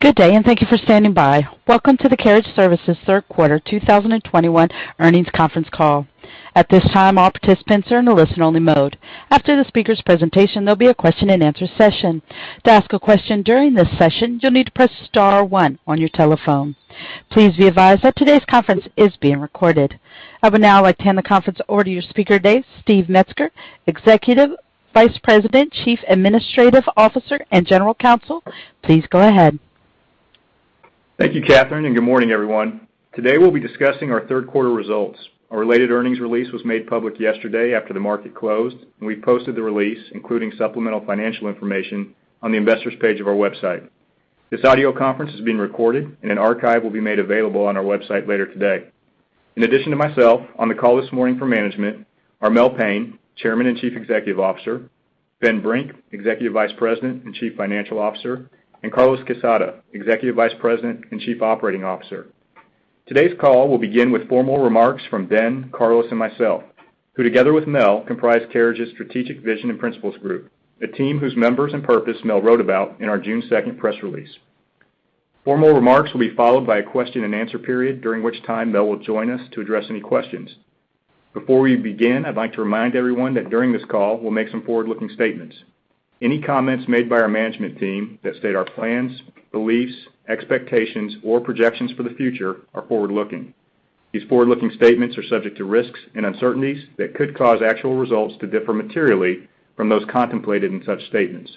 Good day and thank you for standing by. Welcome to the Carriage Services Q3 2021 Earnings Conference Call. At this time, all participants are in a listen-only mode. After the speaker's presentation, there'll be a question-and-answer session. To ask a question during this session, you'll need to press star one on your telephone. Please be advised that today's conference is being recorded. I would now like to hand the conference over to your speaker today, Steve Metzger, Executive Vice President, Chief Administrative Officer, and General Counsel. Please go ahead. Thank you, Catherine, and good morning, everyone. Today, we'll be discussing our Q3 results. Our related earnings release was made public yesterday after the market closed, and we posted the release, including supplemental financial information, on the investors page of our website. This audio conference is being recorded, and an archive will be made available on our website later today. In addition to myself, on the call this morning for management is Mel Payne, Chairman and Chief Executive Officer, Ben Brink, Executive Vice President and Chief Financial Officer, and Carlos Quezada, Executive Vice President and Chief Operating Officer. Today's call will begin with formal remarks from Ben, Carlos, and myself, who together with Mel comprise Carriage's Strategic Vision and Principles Group, a team whose members and purpose Mel wrote about in our June second press release. Formal remarks will be followed by a question-and-answer period, during which time Mel will join us to address any questions. Before we begin, I'd like to remind everyone that during this call we'll make some forward-looking statements. Any comments made by our management team that state our plans, beliefs, expectations, or projections for the future are forward-looking. These forward-looking statements are subject to risks and uncertainties that could cause actual results to differ materially from those contemplated in such statements.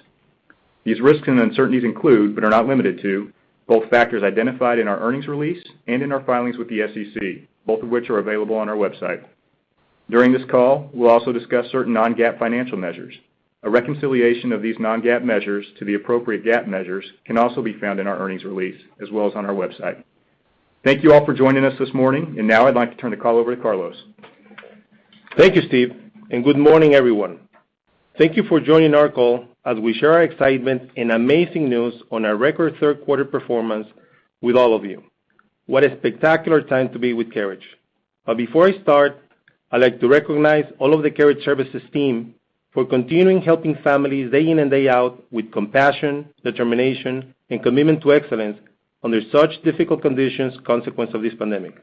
These risks and uncertainties include, but are not limited to, both factors identified in our earnings release and in our filings with the SEC, both of which are available on our website. During this call, we'll also discuss certain non-GAAP financial measures. A reconciliation of these non-GAAP measures to the appropriate GAAP measures can also be found in our earnings release as well as on our website. Thank you all for joining us this morning, and now I'd like to turn the call over to Carlos. Thank you, Steve, and good morning, everyone. Thank you for joining our call as we share our excitement and amazing news on our record Q3 performance with all of you. What a spectacular time to be with Carriage. Before I start, I'd like to recognize all of the Carriage Services team for continuing helping families day in and day out with compassion, determination, and commitment to excellence under such difficult conditions, consequence of this pandemic.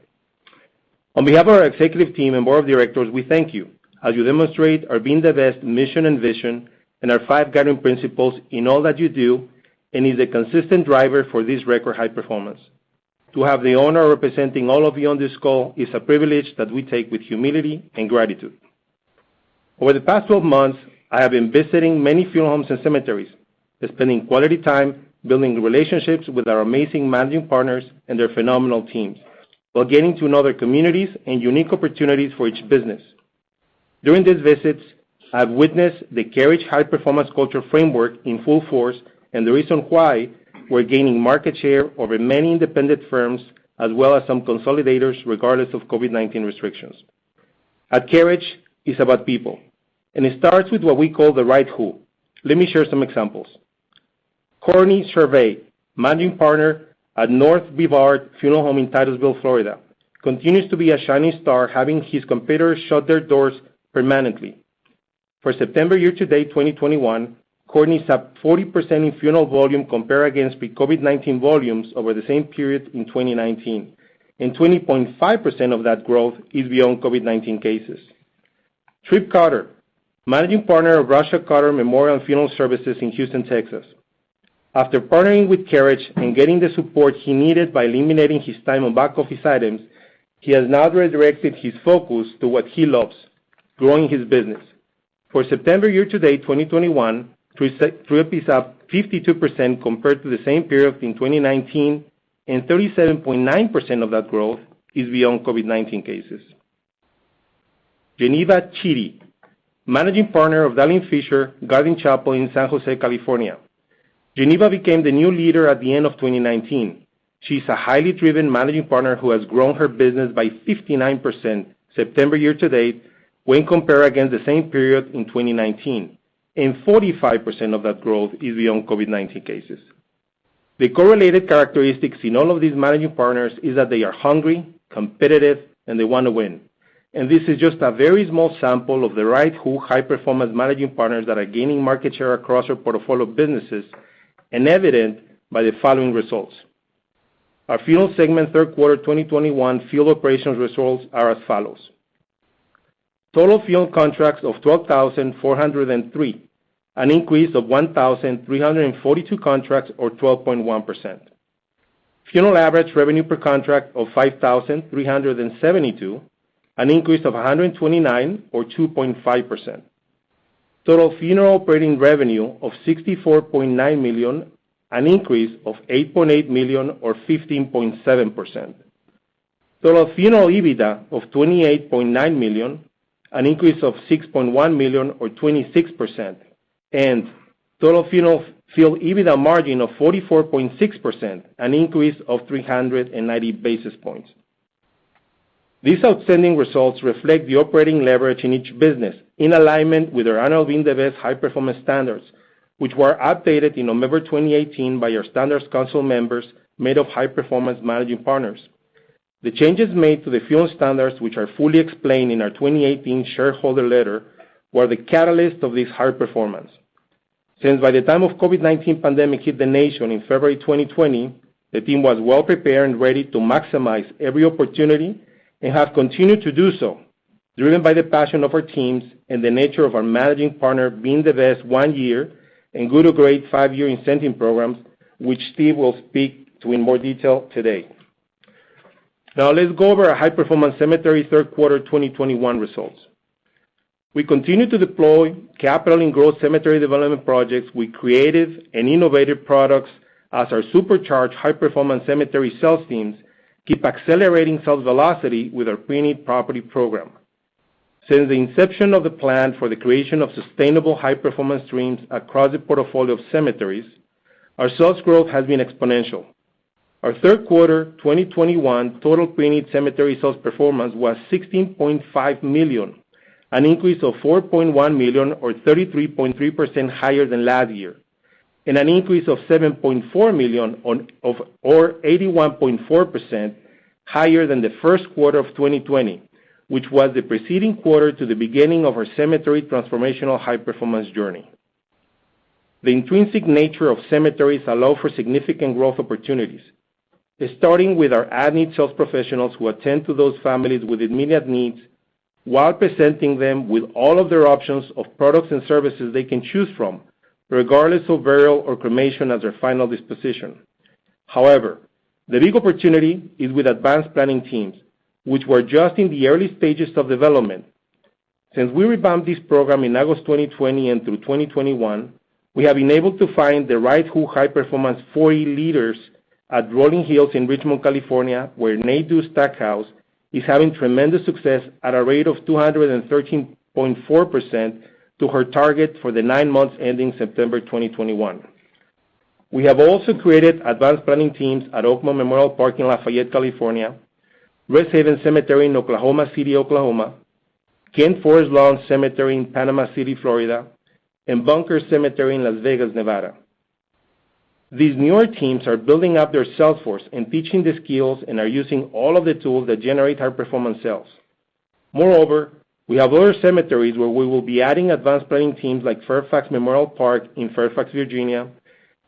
On behalf of our executive team and board of directors, we thank you as you demonstrate our Being the Best mission and vision and our five guiding principles in all that you do and is a consistent driver for this record high performance. To have the honor of representing all of you on this call is a privilege that we take with humility and gratitude. Over the past 12 months, I have been visiting many funeral homes and cemeteries and spending quality time building relationships with our amazing managing partners and their phenomenal teams while getting to know their communities and unique opportunities for each business. During these visits, I've witnessed the Carriage high-performance culture framework in full force and the reason why we're gaining market share over many independent firms as well as some consolidators, regardless of COVID-19 restrictions. At Carriage, it's about people, and it starts with what we call the right who. Let me share some examples. Courtney Servais, managing partner at North Brevard Funeral Home in Titusville, Florida, continues to be a shining star, having his competitors shut their doors permanently. For September year-to-date 2021, Courtney's up 40% in funeral volume compared against pre-COVID-19 volumes over the same period in 2019, and 20.5% of that growth is beyond COVID-19 cases. Tripp Carter, Managing Partner of Bradshaw-Carter Memorial Funeral Services in Houston, Texas. After partnering with Carriage and getting the support he needed by eliminating his time on back-office items, he has now redirected his focus to what he loves, growing his business. For September year-to-date 2021, Tripp is up 52% compared to the same period in 2019, and 37.9% of that growth is beyond COVID-19 cases. Geneva Chidi, Managing Partner of Darling & Fischer Garden Chapel in San Jose, California. Geneva became the new leader at the end of 2019. She's a highly driven managing partner who has grown her business by 59% September year-to-date when compared against the same period in 2019, and 45% of that growth is beyond COVID-19 cases. The correlated characteristics in all of these managing partners is that they are hungry, competitive, and they wanna win. This is just a very small sample of the right high-performance managing partners that are gaining market share across our portfolio of businesses and evident by the following results. Our funeral segment Q3 2021 funeral operations results are as follows. Total funeral contracts of $12,403, an increase of $1,342 contracts or 12.1%. Funeral average revenue per contract of $5,372 an increase of $129 or 2.5%. Total funeral operating revenue of $64.9 million, an increase of $8.8 million or 15.7%. Total funeral EBITDA of $28.9 million, an increase of $6.1 million or 26%. Total funeral field EBITDA margin of 44.6%, an increase of 390 basis points. These outstanding results reflect the operating leverage in each business in alignment with us all being the best high-performance standards, which were updated in November 2018 by our Standards Council members made up of high-performance Managing Partners. The changes made to the field standards, which are fully explained in our 2018 shareholder letter, were the catalyst of this high performance. Since by the time the COVID-19 pandemic hit the nation in February 2020, the team was well prepared and ready to maximize every opportunity and have continued to do so, driven by the passion of our teams and the nature of our managing partner being the best one-year and Good to Great five-year incentive programs, which Steve will speak to in more detail today. Now let's go over our high-performance cemetery Q3 2021 results. We continue to deploy capital and grow cemetery development projects. We created and innovated products as our supercharged high-performance cemetery sales teams keep accelerating sales velocity with our pre-need property program. Since the inception of the plan for the creation of sustainable high-performance streams across the portfolio of cemeteries, our sales growth has been exponential. Our Q3 2021 total pre-need cemetery sales performance was $16.5 million, an increase of $4.1 million or 33.3% higher than last year, and an increase of $7.4 million or 81.4% higher than the Q1 of 2020, which was the preceding quarter to the beginning of our cemetery transformational high-performance journey. The intrinsic nature of cemeteries allows for significant growth opportunities, starting with our at-need sales professionals who attend to those families with immediate needs while presenting them with all of their options of products and services they can choose from, regardless of burial or cremation as their final disposition. However, the big opportunity is with advanced planning teams, which were just in the early stages of development. Since we revamped this program in August 2020 and through 2021, we have been able to find the right high-performance 4E leaders at Rolling Hills in Richmond, California, where Nadu Stackhouse is having tremendous success at a rate of 213.4% to her target for the nine months ending September 2021. We have also created advanced planning teams at Oakmont Memorial Park in Lafayette, California, Resthaven Cemetery in Oklahoma City, Oklahoma, Kent-Forest Lawn Cemetery in Panama City, Florida, and Bunker's Cemetery in Las Vegas, Nevada. These newer teams are building up their sales force and teaching the skills and are using all of the tools that generate high-performance sales. Moreover, we have other cemeteries where we will be adding advanced planning teams like Fairfax Memorial Park in Fairfax, Virginia,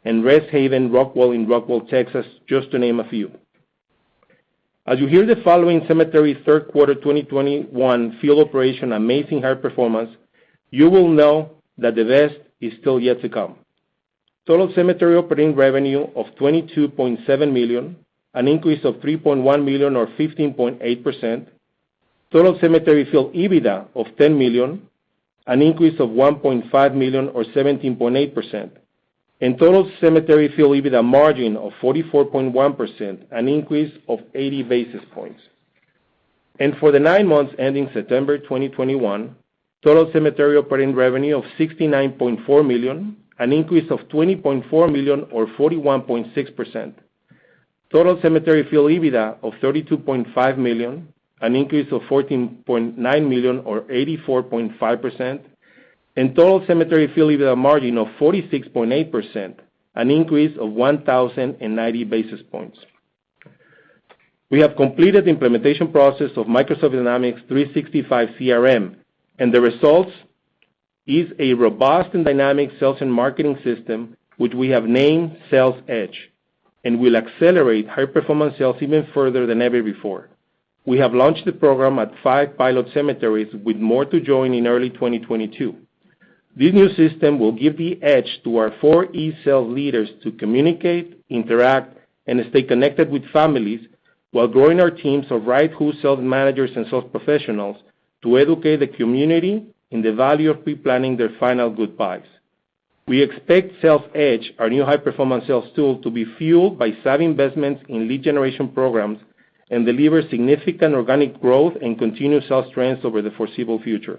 and Rest Haven Rockwall in Rockwall, Texas, just to name a few. As you hear the following cemetery's Q3 2021 field operation amazing high performance, you will know that the best is still yet to come. Total cemetery operating revenue of $22.7 million, an increase of $3.1 million or 15.8%. Total cemetery field EBITDA of $10 million, an increase of $1.5 million or 17.8%. Total cemetery field EBITDA margin of 44.1%, an increase of 80 basis points. For the nine months ending September 2021, total cemetery operating revenue of $69.4 million, an increase of $20.4 million or 41.6%. Total cemetery field EBITDA of $32.5 million, an increase of $14.9 million or 84.5%. Total cemetery field EBITDA margin of 46.8%, an increase of 1,090 basis points. We have completed the implementation process of Microsoft Dynamics 365 CRM, and the results is a robust and dynamic sales and marketing system, which we have named Sales Edge, and will accelerate high performance sales even further than ever before. We have launched the program at five pilot cemeteries with more to join in early 2022. This new system will give the edge to our 4E sales leaders to communicate, interact, and stay connected with families while growing our teams of right-fit sales managers and sales professionals to educate the community in the value of pre-planning their final goodbyes. We expect Sales Edge, our new high-performance sales tool, to be fueled by savvy investments in lead generation programs and deliver significant organic growth and continuous sales trends over the foreseeable future.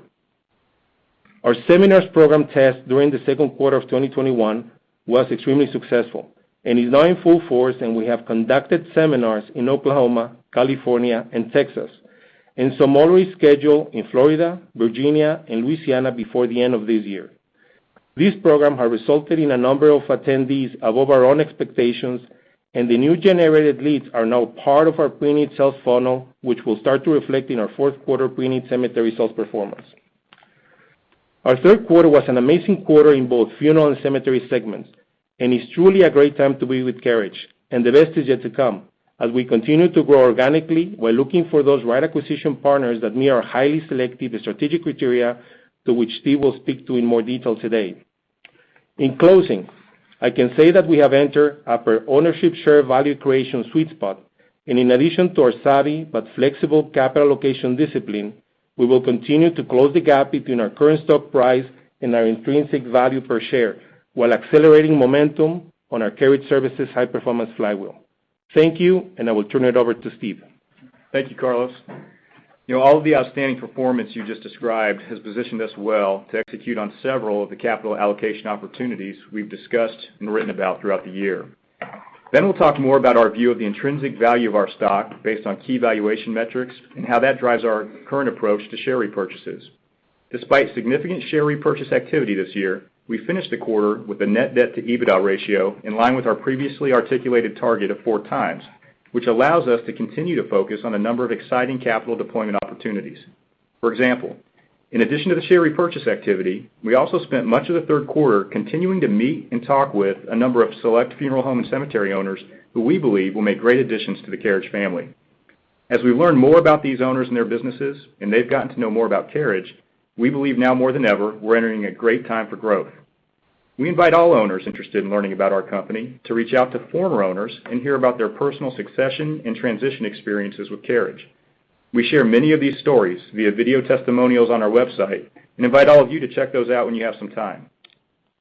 Our seminars program test during the Q2 of 2021 was extremely successful and is now in full force, and we have conducted seminars in Oklahoma, California, and Texas, and some already scheduled in Florida, Virginia, and Louisiana before the end of this year. This program has resulted in a number of attendees above our own expectations, and the new generated leads are now part of our pre-need sales funnel, which will start to reflect in our Q4 pre-need cemetery sales performance. Our Q3 was an amazing quarter in both funeral and cemetery segments, and it's truly a great time to be with Carriage, and the best is yet to come as we continue to grow organically while looking for those right acquisition partners that meet our highly selective strategic criteria to which Steve will speak to in more detail today. In closing, I can say that we have entered our ownership share value creation sweet spot, and in addition to our savvy but flexible capital allocation discipline, we will continue to close the gap between our current stock price and our intrinsic value per share while accelerating momentum on our Carriage Services high-performance flywheel. Thank you, and I will turn it over to Steve. Thank you, Carlos. You know, all of the outstanding performance you just described has positioned us well to execute on several of the capital allocation opportunities we've discussed and written about throughout the year. We'll talk more about our view of the intrinsic value of our stock based on key valuation metrics and how that drives our current approach to share repurchases. Despite significant share repurchase activity this year, we finished the quarter with a net debt to EBITDA ratio in line with our previously articulated target of 4x, which allows us to continue to focus on a number of exciting capital deployment opportunities. For example, in addition to the share repurchase activity, we also spent much of the Q3 continuing to meet and talk with a number of select funeral home and cemetery owners who we believe will make great additions to the Carriage family. As we learn more about these owners and their businesses, and they've gotten to know more about Carriage, we believe now more than ever we're entering a great time for growth. We invite all owners interested in learning about our company to reach out to former owners and hear about their personal succession and transition experiences with Carriage. We share many of these stories via video testimonials on our website and invite all of you to check those out when you have some time.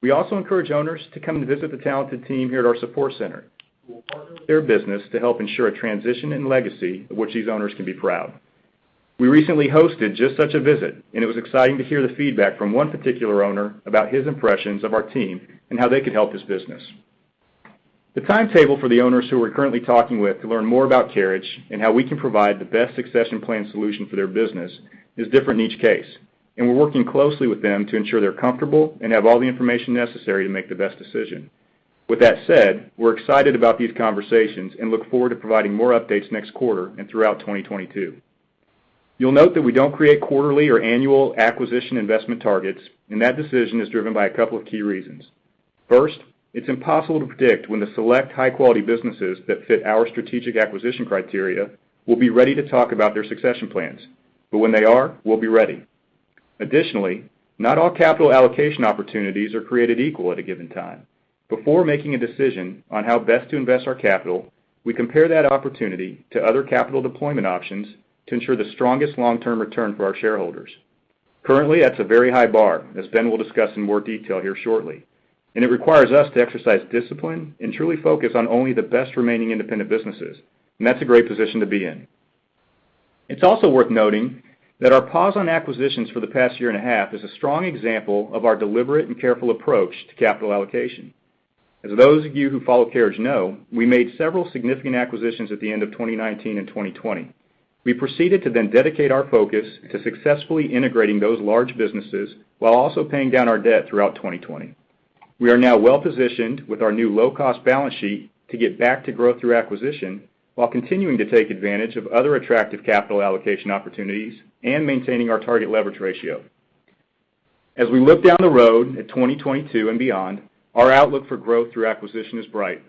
We also encourage owners to come and visit the talented team here at our support center who will partner with their business to help ensure a transition and legacy of which these owners can be proud. We recently hosted just such a visit, and it was exciting to hear the feedback from one particular owner about his impressions of our team and how they could help his business. The timetable for the owners who we're currently talking with to learn more about Carriage and how we can provide the best succession plan solution for their business is different in each case, and we're working closely with them to ensure they're comfortable and have all the information necessary to make the best decision. With that said, we're excited about these conversations and look forward to providing more updates next quarter and throughout 2022. You'll note that we don't create quarterly or annual acquisition investment targets, and that decision is driven by a couple of key reasons. First, it's impossible to predict when the select high-quality businesses that fit our strategic acquisition criteria will be ready to talk about their succession plans. When they are, we'll be ready. Additionally, not all capital allocation opportunities are created equal at a given time. Before making a decision on how best to invest our capital, we compare that opportunity to other capital deployment options to ensure the strongest long-term return for our shareholders. Currently, that's a very high bar, as Ben will discuss in more detail here shortly, and it requires us to exercise discipline and truly focus on only the best remaining independent businesses, and that's a great position to be in. It's also worth noting that our pause on acquisitions for the past year and a half is a strong example of our deliberate and careful approach to capital allocation. As those of you who follow Carriage know, we made several significant acquisitions at the end of 2019 and 2020. We proceeded to then dedicate our focus to successfully integrating those large businesses while also paying down our debt throughout 2020. We are now well-positioned with our new low-cost balance sheet to get back to growth through acquisition while continuing to take advantage of other attractive capital allocation opportunities and maintaining our target leverage ratio. As we look down the road in 2022 and beyond, our outlook for growth through acquisition is bright.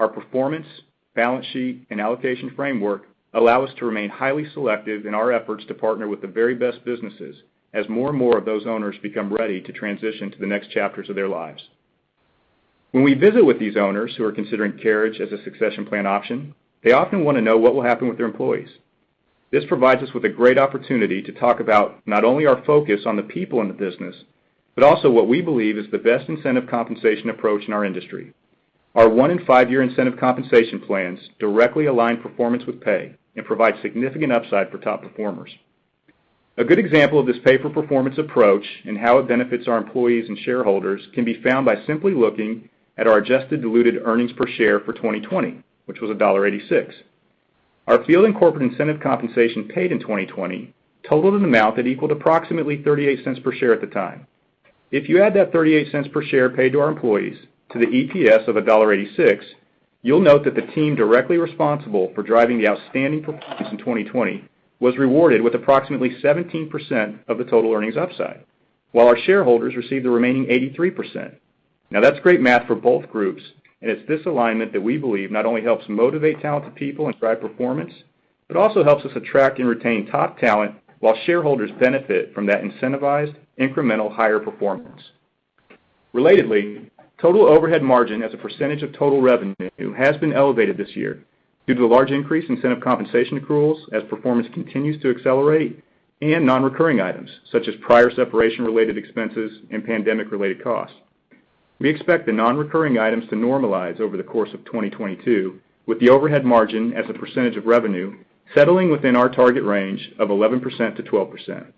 Our performance, balance sheet, and allocation framework allow us to remain highly selective in our efforts to partner with the very best businesses as more and more of those owners become ready to transition to the next chapters of their lives. When we visit with these owners who are considering Carriage as a succession plan option, they often wanna know what will happen with their employees. This provides us with a great opportunity to talk about not only our focus on the people in the business, but also what we believe is the best incentive compensation approach in our industry. Our one- and five-year incentive compensation plans directly align performance with pay and provide significant upside for top performers. A good example of this pay-for-performance approach and how it benefits our employees and shareholders can be found by simply looking at our adjusted diluted earnings per share for 2020, which was $1.86. Our field and corporate incentive compensation paid in 2020 totaled an amount that equaled approximately $0.38 per share at the time. If you add that $0.38 per share paid to our employees to the EPS of $1.86, you'll note that the team directly responsible for driving the outstanding performance in 2020 was rewarded with approximately 17% of the total earnings upside, while our shareholders received the remaining 83%. Now, that's great math for both groups, and it's this alignment that we believe not only helps motivate talented people and drive performance but also helps us attract and retain top talent while shareholders benefit from that incentivized, incremental higher performance. Relatedly, total overhead margin as a percentage of total revenue has been elevated this year due to the large increase in incentive compensation accruals as performance continues to accelerate and non-recurring items such as prior separation-related expenses and pandemic-related costs. We expect the non-recurring items to normalize over the course of 2022, with the overhead margin as a percentage of revenue settling within our target range of 11%-12%.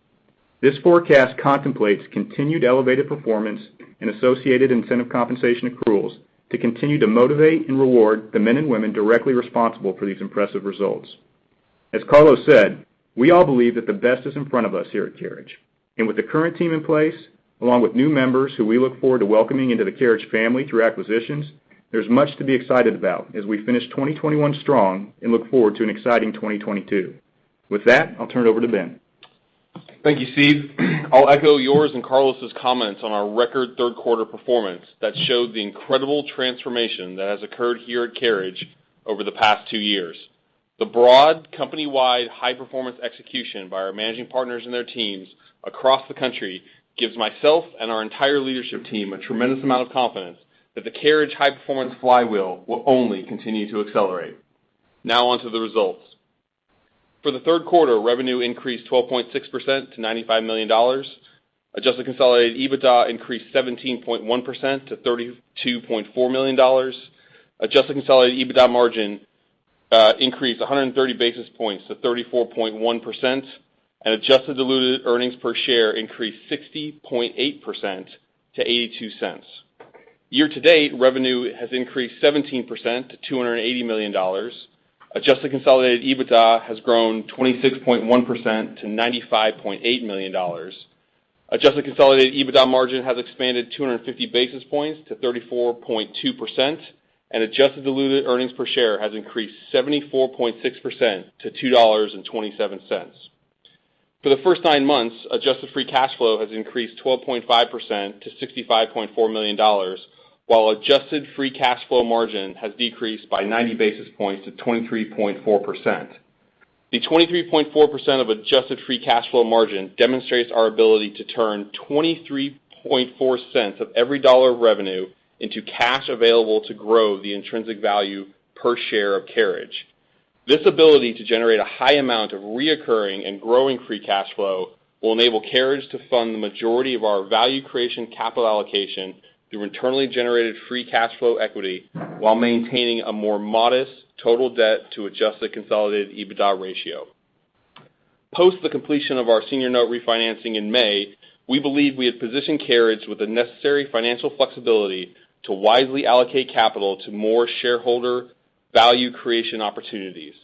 This forecast contemplates continued elevated performance and associated incentive compensation accruals to continue to motivate and reward the men and women directly responsible for these impressive results. As Carlos said, we all believe that the best is in front of us here at Carriage. With the current team in place, along with new members who we look forward to welcoming into the Carriage family through acquisitions, there's much to be excited about as we finish 2021 strong and look forward to an exciting 2022. With that, I'll turn it over to Ben. Thank you, Steve. I'll echo yours and Carlos's comments on our record Q3 performance that showed the incredible transformation that has occurred here at Carriage over the past two years. The broad company-wide high-performance execution by our managing partners and their teams across the country gives me and our entire leadership team a tremendous amount of confidence that the Carriage high-performance flywheel will only continue to accelerate. Now on to the results. For the Q3, revenue increased 12.6% to $95 million. Adjusted consolidated EBITDA increased 17.1% to $32.4 million. Adjusted consolidated EBITDA margin increased 130 basis points to 34.1%. Adjusted diluted earnings per share increased 60.8% to $0.82. Year-to-date, revenue has increased 17% to $280 million. Adjusted consolidated EBITDA has grown 26.1% to $95.8 million. Adjusted consolidated EBITDA margin has expanded 250 basis points to 34.2%, and adjusted diluted earnings per share has increased 74.6% to $2.27. For the first nine months, adjusted free cash flow has increased 12.5% to $65.4 million, while adjusted free cash flow margin has decreased by 90 basis points to 23.4%. The 23.4% of adjusted free cash flow margin demonstrates our ability to turn 23.4% of every dollar of revenue into cash available to grow the intrinsic value per share of Carriage. This ability to generate a high amount of recurring and growing free cash flow will enable Carriage to fund the majority of our value creation capital allocation through internally generated free cash flow equity while maintaining a more modest total debt to adjusted consolidated EBITDA ratio. Post the completion of our senior note refinancing in May, we believe we have positioned Carriage with the necessary financial flexibility to wisely allocate capital to more shareholder value creation opportunities.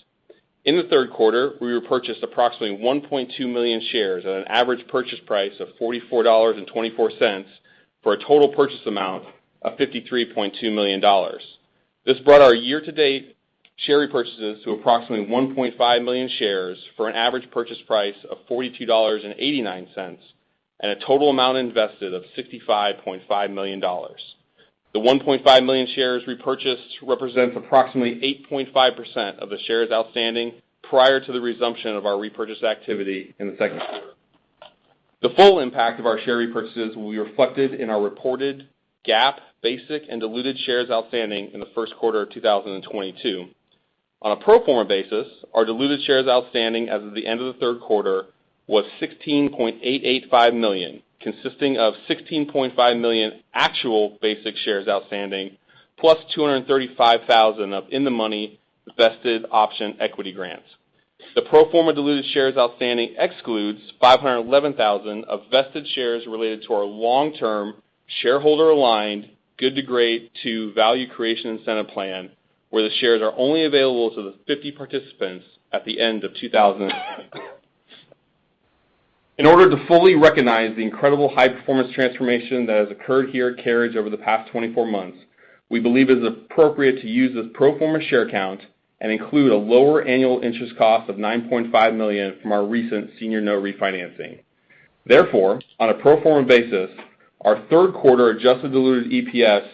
In the Q3, we repurchased approximately 1.2 million shares at an average purchase price of $44.24 for a total purchase amount of $53.2 million. This brought our year-to-date share repurchases to approximately 1.5 million shares for an average purchase price of $42.89 and a total amount invested of $65.5 million. The 1.5 million shares repurchased represents approximately 8.5% of the shares outstanding prior to the resumption of our repurchase activity in the Q2. The full impact of our share repurchases will be reflected in our reported GAAP basic and diluted shares outstanding in the Q1 of 2022. On a pro forma basis, our diluted shares outstanding as of the end of the Q3 was 16.885 million, consisting of 16.5 million actual basic shares outstanding, plus 235,000 of in-the-money vested option equity grants. The pro forma diluted shares outstanding excludes 511,000 of vested shares related to our long-term, shareholder-aligned Good to Great to Value Creation Incentive Plan, where the shares are only available to the 50 participants at the end of 2000. In order to fully recognize the incredible high-performance transformation that has occurred here at Carriage over the past 24 months, we believe it is appropriate to use this pro forma share count and include a lower annual interest cost of $9.5 million from our recent senior note refinancing. Therefore, on a pro forma basis, our Q3 adjusted diluted EPS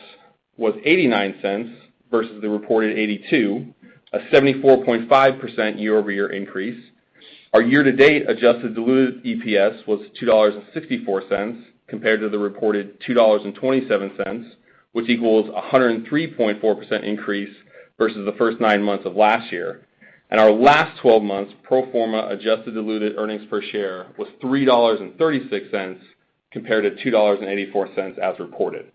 was $0.89 versus the reported $0.82, a 74.5% year-over-year increase. Our year-to-date adjusted diluted EPS was $2.64 compared to the reported $2.27, which equals a 103.4% increase versus the first nine months of last year. Our last twelve months pro forma adjusted diluted earnings per share was $3.36 compared to $2.84 as reported.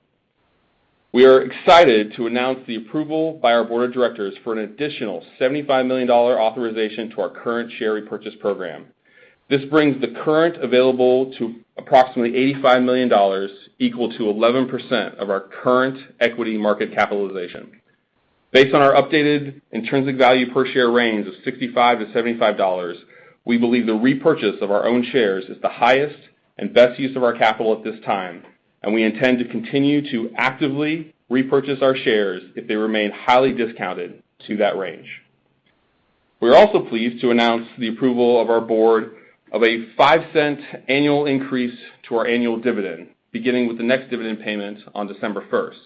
We are excited to announce the approval by our board of directors for an additional $75 million authorization to our current share repurchase program. This brings the current available to approximately $85 million, equal to 11% of our current equity market capitalization. Based on our updated intrinsic value per share range of $65-$75, we believe the repurchase of our own shares is the highest and best use of our capital at this time, and we intend to continue to actively repurchase our shares if they remain highly discounted to that range. We are also pleased to announce the approval of our board of a $0.05 annual increase to our annual dividend, beginning with the next dividend payment on December 1st.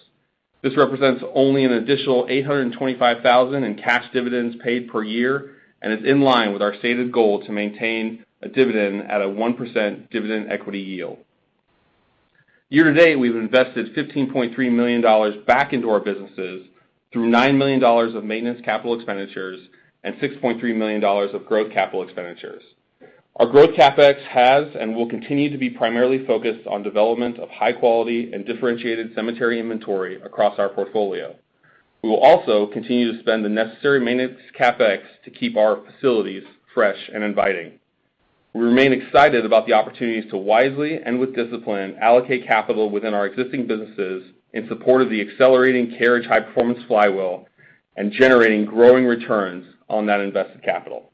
This represents only an additional $825,000 in cash dividends paid per year and is in line with our stated goal to maintain a dividend at a 1% dividend equity yield. Year-to-date, we've invested $15.3 million back into our businesses through $9 millions of maintenance capital expenditures and $6.3 millions of growth capital expenditures. Our growth CapEx has and will continue to be primarily focused on development of high quality and differentiated cemetery inventory across our portfolio. We will also continue to spend the necessary maintenance CapEx to keep our facilities fresh and inviting. We remain excited about the opportunities to wisely and with discipline allocate capital within our existing businesses in support of the accelerating Carriage high performance flywheel and generating growing returns on that invested capital.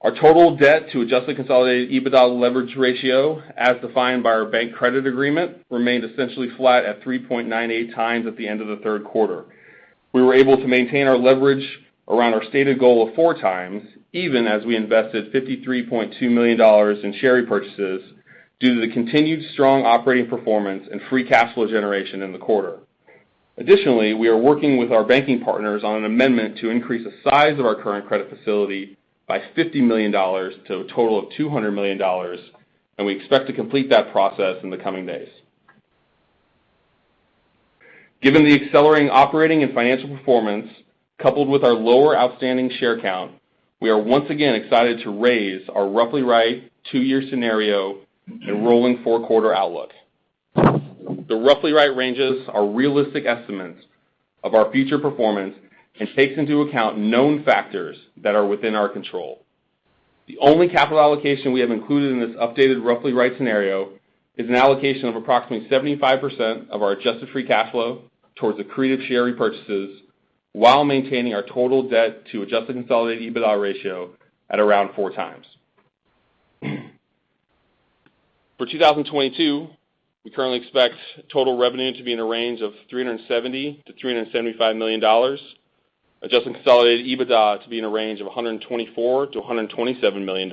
Our total debt to adjusted consolidated EBITDA leverage ratio, as defined by our bank credit agreement, remained essentially flat at 3.98x at the end of the Q3. We were able to maintain our leverage around our stated goal of 4x, even as we invested $53.2 million in share repurchases, due to the continued strong operating performance and free cash flow generation in the quarter. Additionally, we are working with our banking partners on an amendment to increase the size of our current credit facility by $50 million to a total of $200 million, and we expect to complete that process in the coming days. Given the accelerating operating and financial performance, coupled with our lower outstanding share count, we are once again excited to raise our Roughly Right two-year scenario and rolling four-quarter outlook. The Roughly Right ranges are realistic estimates of our future performance and takes into account known factors that are within our control. The only capital allocation we have included in this updated Roughly Right scenario is an allocation of approximately 75% of our adjusted free cash flow towards accretive share repurchases while maintaining our total debt to adjusted consolidated EBITDA ratio at around 4x. For 2022, we currently expect total revenue to be in a range of $370 million-$375 million. Adjusted consolidated EBITDA to be in a range of $124 million-$127 million.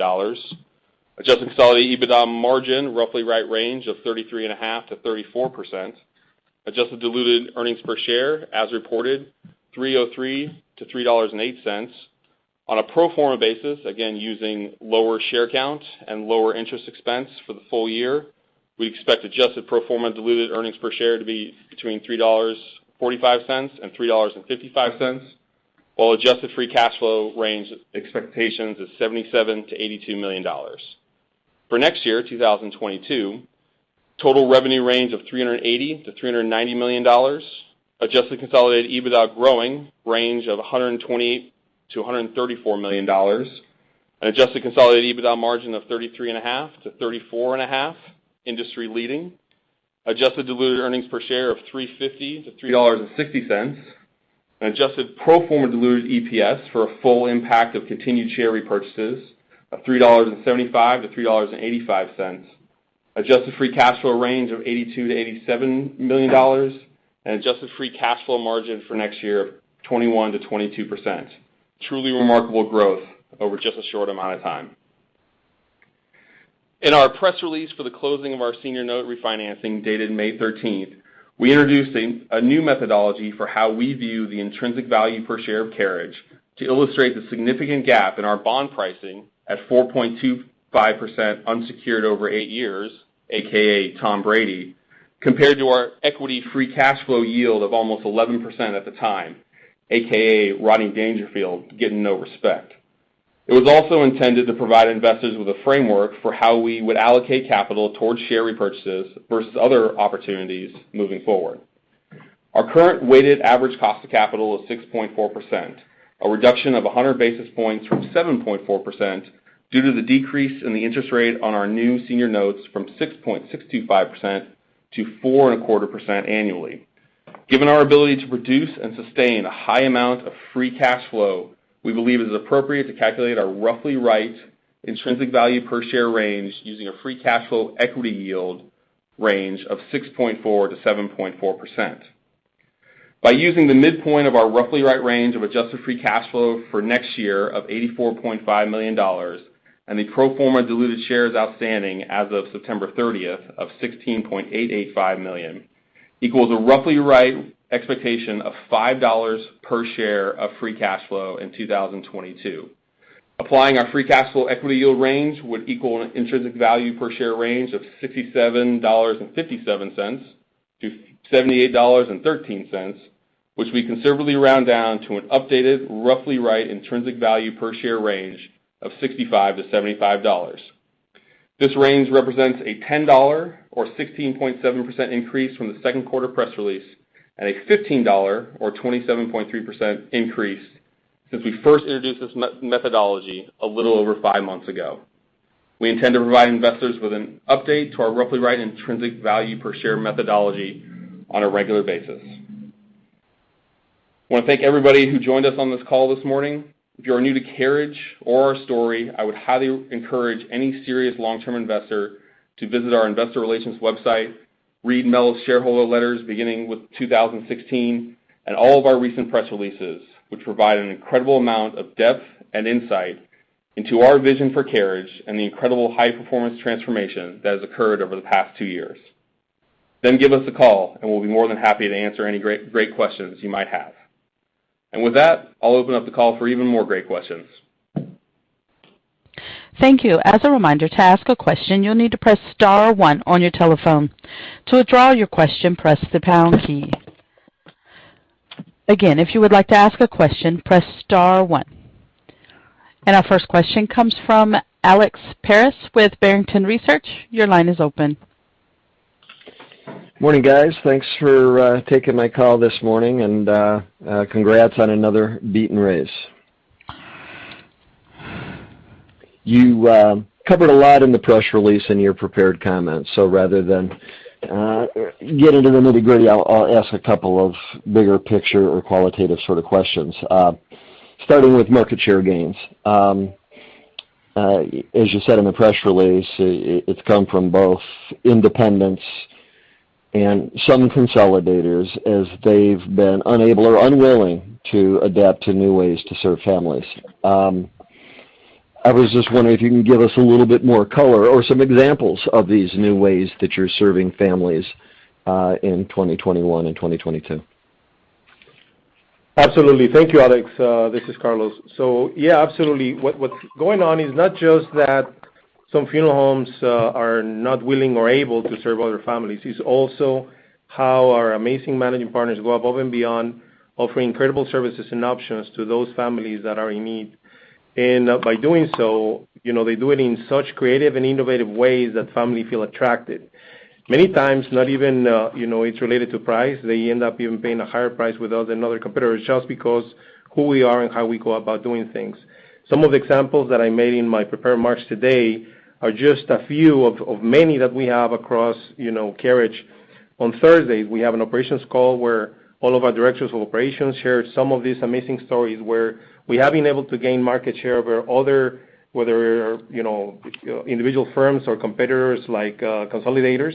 Adjusted consolidated EBITDA margin, roughly in the range of 33.5%-34%. Adjusted diluted earnings per share as reported, $3.03-$3.08. On a pro forma basis, again using lower share count and lower interest expense for the full-year, we expect adjusted pro forma diluted earnings per share to be between $3.45 and $3.55, while adjusted free cash flow range expectations is $77 million-$82 million. For next year, 2022, total revenue range of $380 million-$390 million. Adjusted consolidated EBITDA growth range of $120 million-$134 million. An adjusted consolidated EBITDA margin of 33.5%-34.5%, industry-leading. Adjusted diluted earnings per share of $3.50-$3.60. An adjusted pro forma diluted EPS for a full impact of continued share repurchases of $3.75-$3.85. Adjusted free cash flow range of $82 million-$87 million. Adjusted free cash flow margin for next year of 21%-22%. Truly remarkable growth over just a short amount of time. In our press release for the closing of our senior note refinancing dated May 13th, we introduced a new methodology for how we view the intrinsic value per share of Carriage to illustrate the significant gap in our bond pricing at 4.25% unsecured over eight years, AKA Tom Brady, compared to our equity free cash flow yield of almost 11% at the time, AKA Rodney Dangerfield getting no respect. It was also intended to provide investors with a framework for how we would allocate capital towards share repurchases versus other opportunities moving forward. Our current weighted average cost of capital is 6.4%, a reduction of 100 basis points from 7.4% due to the decrease in the interest rate on our new senior notes from 6.625% to 4.25% annually. Given our ability to produce and sustain a high amount of free cash flow, we believe it is appropriate to calculate our roughly right intrinsic value per share range using a free cash flow equity yield range of 6.4%-7.4%. By using the midpoint of our roughly right range of adjusted free cash flow for next year of $84.5 million and the pro forma diluted shares outstanding as of September 30th of 16.885 million equals a roughly right expectation of $5 per share of free cash flow in 2022. Applying our free cash flow equity yield range would equal an intrinsic value per share range of $67.57-$78.13, which we considerably round down to an updated roughly right intrinsic value per share range of $65-$75. This range represents a $10 or 16.7% increase from the Q2 press release and a $15 or 27.3% increase since we first introduced this methodology a little over five months ago. We intend to provide investors with an update to our roughly right intrinsic value per share methodology on a regular basis. I wanna thank everybody who joined us on this call this morning. If you are new to Carriage or our story, I would highly encourage any serious long-term investor to visit our investor relations website, read Mel's shareholder letters beginning with 2016, and all of our recent press releases, which provide an incredible amount of depth and insight into our vision for Carriage and the incredible high-performance transformation that has occurred over the past two years. Give us a call, and we'll be more than happy to answer any great questions you might have. With that, I'll open up the call for even more great questions. Thank you. As a reminder, to ask a question, you'll need to press star one on your telephone. To withdraw your question, press the pound key. Again, if you would like to ask a question, press star one. Our first question comes from Alex Paris with Barrington Research. Your line is open. Morning, guys. Thanks for taking my call this morning, and congrats on another beat and raise. You covered a lot in the press release in your prepared comments. Rather than get into the nitty-gritty, I'll ask a couple of bigger picture or qualitative sort of questions starting with market share gains. As you said in the press release, it's come from both independents and some consolidators as they've been unable or unwilling to adapt to new ways to serve families. I was just wondering if you can give us a little bit more color or some examples of these new ways that you're serving families in 2021 and 2022. Absolutely. Thank you, Alex. This is Carlos. Yeah, absolutely. What's going on is not just that some funeral homes are not willing or able to serve other families. It's also how our amazing managing partners go above and beyond, offering incredible services and options to those families that are in need. By doing so, you know, they do it in such creative and innovative ways that families feel attracted. Many times, not even it's related to price. They end up even paying a higher price with us than other competitors just because who we are and how we go about doing things. Some of the examples that I made in my prepared remarks today are just a few of many that we have across Carriage. On Thursday, we have an operations call where all of our directors of operations share some of these amazing stories where we have been able to gain market share over other, whether individual firms or competitors like consolidators.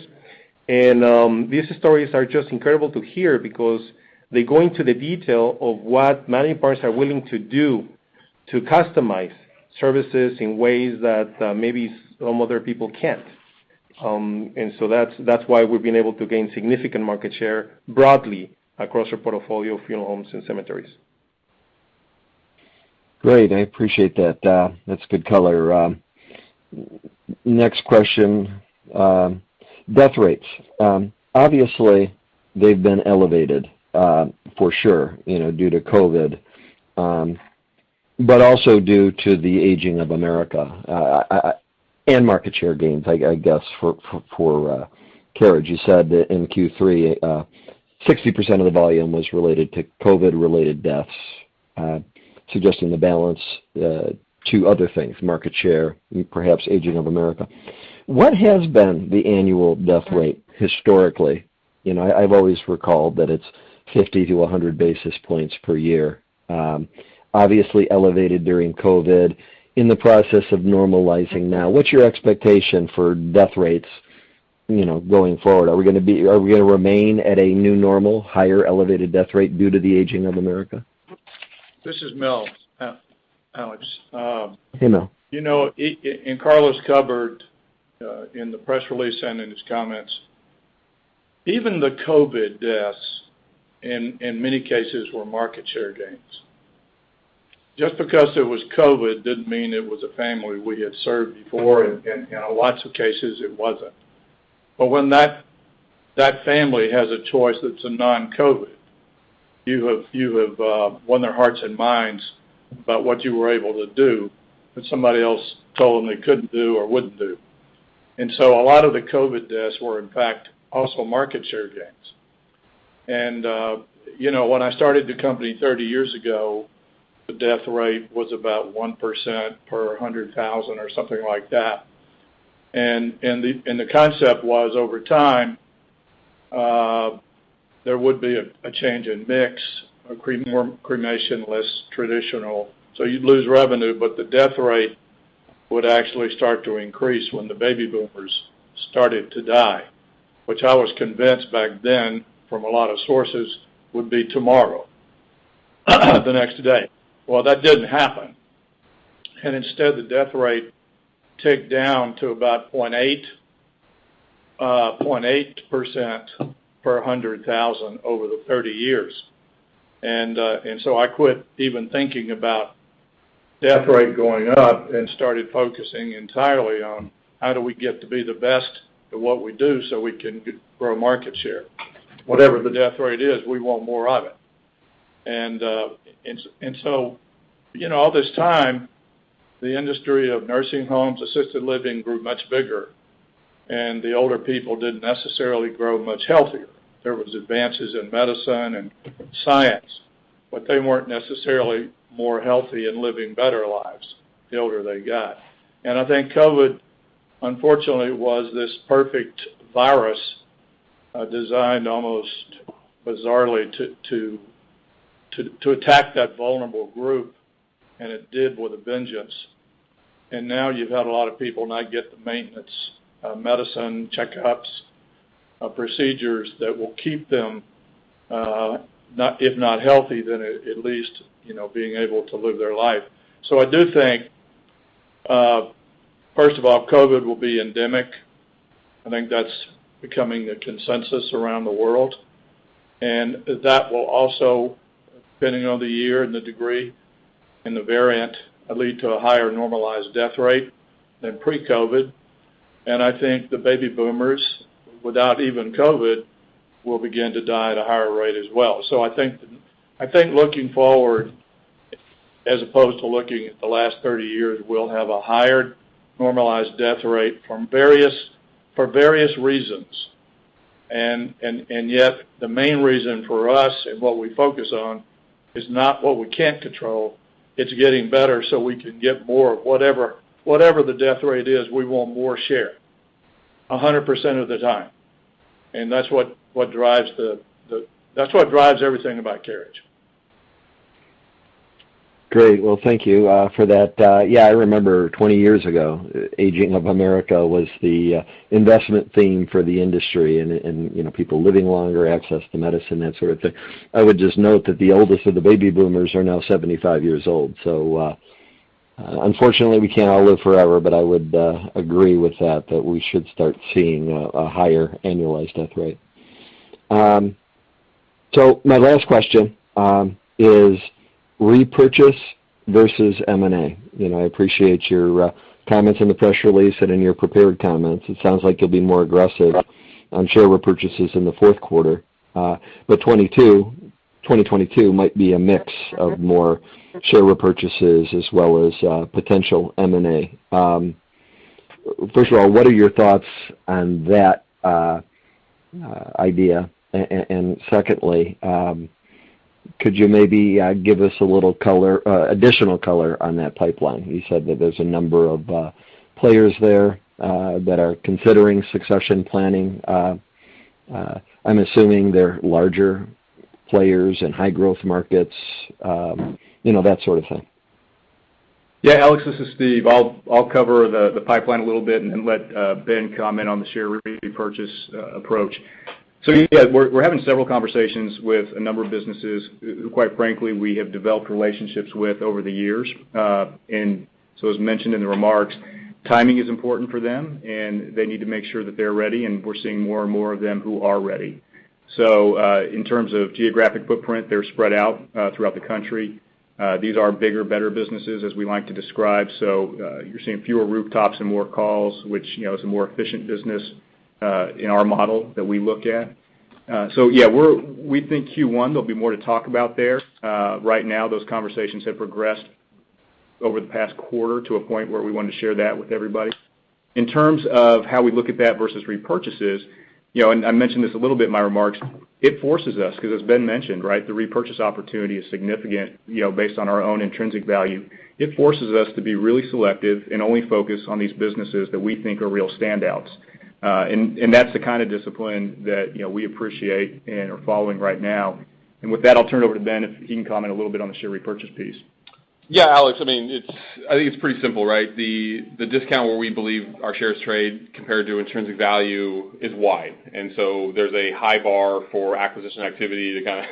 These stories are just incredible to hear because they go into the detail of what many partners are willing to do to customize services in ways that maybe some other people can't. That's why we've been able to gain significant market share broadly across our portfolio of funeral homes and cemeteries. Great. I appreciate that. That's good color. Next question, death rates. Obviously, they've been elevated, for sure, you know, due to COVID, but also due to the aging of America, and market share gains, I guess for Carriage. You said that in Q3, 60% of the volume was related to COVID-related deaths, suggesting the balance to other things, market share, perhaps aging of America. What has been the annual death rate historically? You know, I've always recalled that it's 50-100 basis points per year. Obviously elevated during COVID, in the process of normalizing now. What's your expectation for death rates, you know, going forward? Are we gonna remain at a new normal, higher elevated death rate due to the aging of America? This is Mel, Alex. Hey, Mel. You know, Carlos covered in the press release and in his comments, even the COVID deaths, in many cases, were market share gains. Just because it was COVID didn't mean it was a family, we had served before, and in lots of cases it wasn't. But when that family has a choice that's a non-COVID, you have won their hearts and minds about what you were able to do, that somebody else told them they couldn't do or wouldn't do. A lot of the COVID deaths were, in fact, also market share gains. You know, when I started the company 30 years ago, the death rate was about 1% per 100,000 or something like that. The concept was over time, there would be a change in mix, more cremation, less traditional. You'd lose revenue, but the death rate would actually start to increase when the baby boomers started to die, which I was convinced back then from a lot of sources, would be tomorrow, the next day. Well, that didn't happen. Instead, the death rate ticked down to about 0.8% per 100,000 over the 30 years. I quit even thinking about death rate going up and started focusing entirely on how we get to be the best at what we do so we can grow market share. Whatever the death rate is, we want more of it. You know, all this time, the industry of nursing homes, assisted living grew much bigger, and the older people didn't necessarily grow much healthier. There was advances in medicine and science, but they weren't necessarily more healthy and living better lives the older they got. I think COVID, unfortunately, was this perfect virus, designed almost bizarrely to attack that vulnerable group, and it did with a vengeance. Now you've had a lot of people not get the maintenance medicine, checkups, procedures that will keep them, if not healthy, then at least, you know, being able to live their life. I do think, first of all, COVID will be endemic. I think that's becoming the consensus around the world. That will also, depending on the year and the degree and the variant, lead to a higher normalized death rate than pre-COVID. I think the baby boomers, without even COVID, will begin to die at a higher rate as well. I think looking forward, as opposed to looking at the last thirty years, we'll have a higher normalized death rate for various reasons. Yet the main reason for us and what we focus on is not what we can't control. It's getting better so we can get more of whatever the death rate is, we want more share 100% of the time. That's what drives everything about Carriage. Great. Well, thank you for that. Yeah, I remember 20 years ago, aging of America was the investment theme for the industry, and you know, people living longer, access to medicine, that sort of thing. I would just note that the oldest of the baby boomers are now 75 years old. Unfortunately, we can't all live forever, but I would agree with that we should start seeing a higher annualized death rate. My last question is repurchasing versus M&A. You know, I appreciate your comments in the press release and in your prepared comments. It sounds like you'll be more aggressive on share repurchases in the Q4 of 2022. 2022 might be a mix of more shares repurchases as well as potential M&A. First of all, what are your thoughts on that idea? Secondly, could you maybe give us a little color, additional color on that pipeline? You said that there's a number of players there that are considering succession planning. I'm assuming they're larger players in high growth markets, you know, that sort of thing. Yeah. Alex, this is Steve. I'll cover the pipeline a little bit and then let Ben comment on the share repurchase approach. You said we're having several conversations with a number of businesses who, quite frankly, we have developed relationships with over the years. As mentioned in the remarks, timing is important for them, and they need to make sure that they're ready, and we're seeing more and more of them who are ready. In terms of geographic footprint, they're spread out throughout the country. These are bigger, better businesses as we like to describe. You're seeing fewer rooftops and more calls, which, you know, is a more efficient business in our model that we look at. Yeah, we think Q1, there'll be more to talk about there. Right now, those conversations have progressed over the past quarter to a point where we wanna share that with everybody. In terms of how we look at that versus repurchases, you know, and I mentioned this a little bit in my remarks, it forces us, 'cause as Ben mentioned, right, the repurchase opportunity is significant, you know, based on our own intrinsic value. It forces us to be really selective and only focus on these businesses that we think are real standouts. That's the kind of discipline that, you know, we appreciate and are following right now. With that, I'll turn over to Ben if he can comment a little bit on the share repurchase piece. Yeah, Alex. I mean, it's. I think it's pretty simple, right? The discount where we believe our shares trade compared to intrinsic value is wide. There's a high bar for acquisition activity to kind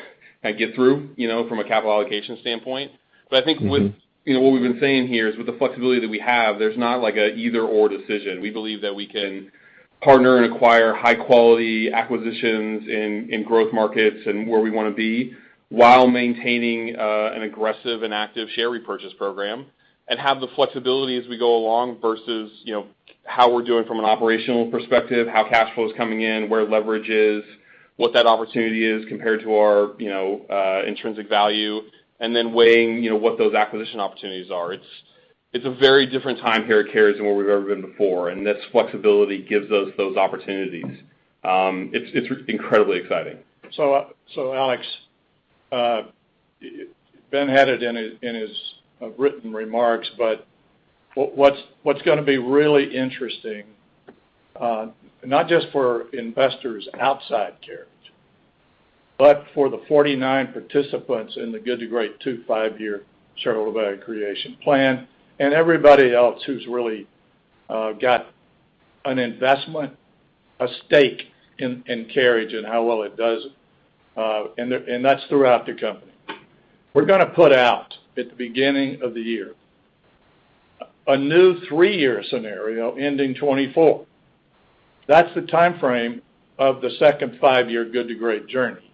of get through, you know, from a capital allocation standpoint. I think with- Mm-hmm. You know, what we've been saying here is with the flexibility that we have, there's not like a either/or decision. We believe that we can partner and acquire high quality acquisitions in growth markets and where we wanna be, while maintaining an aggressive and active share repurchase program, and have the flexibility as we go along versus, you know, how we're doing from an operational perspective, how cash flow is coming in, where leverage is, what that opportunity is compared to our, you know, intrinsic value, and then weighing, you know, what those acquisition opportunities are. It's a very different time here at Carriage than what we've ever been before, and this flexibility gives us those opportunities. It's incredibly exciting. Alex, Ben had it in his written remarks, but what's gonna be really interesting, not just for investors outside Carriage, but for the 49 participants in the Good to Great II five-year shareholder value creation plan, and everybody else who's really got an investment, a stake in Carriage and how well it does, and that's throughout the company. We're gonna put out at the beginning of the year a new three-year scenario ending 2024. That's the timeframe of the second five-year Good to Great journey.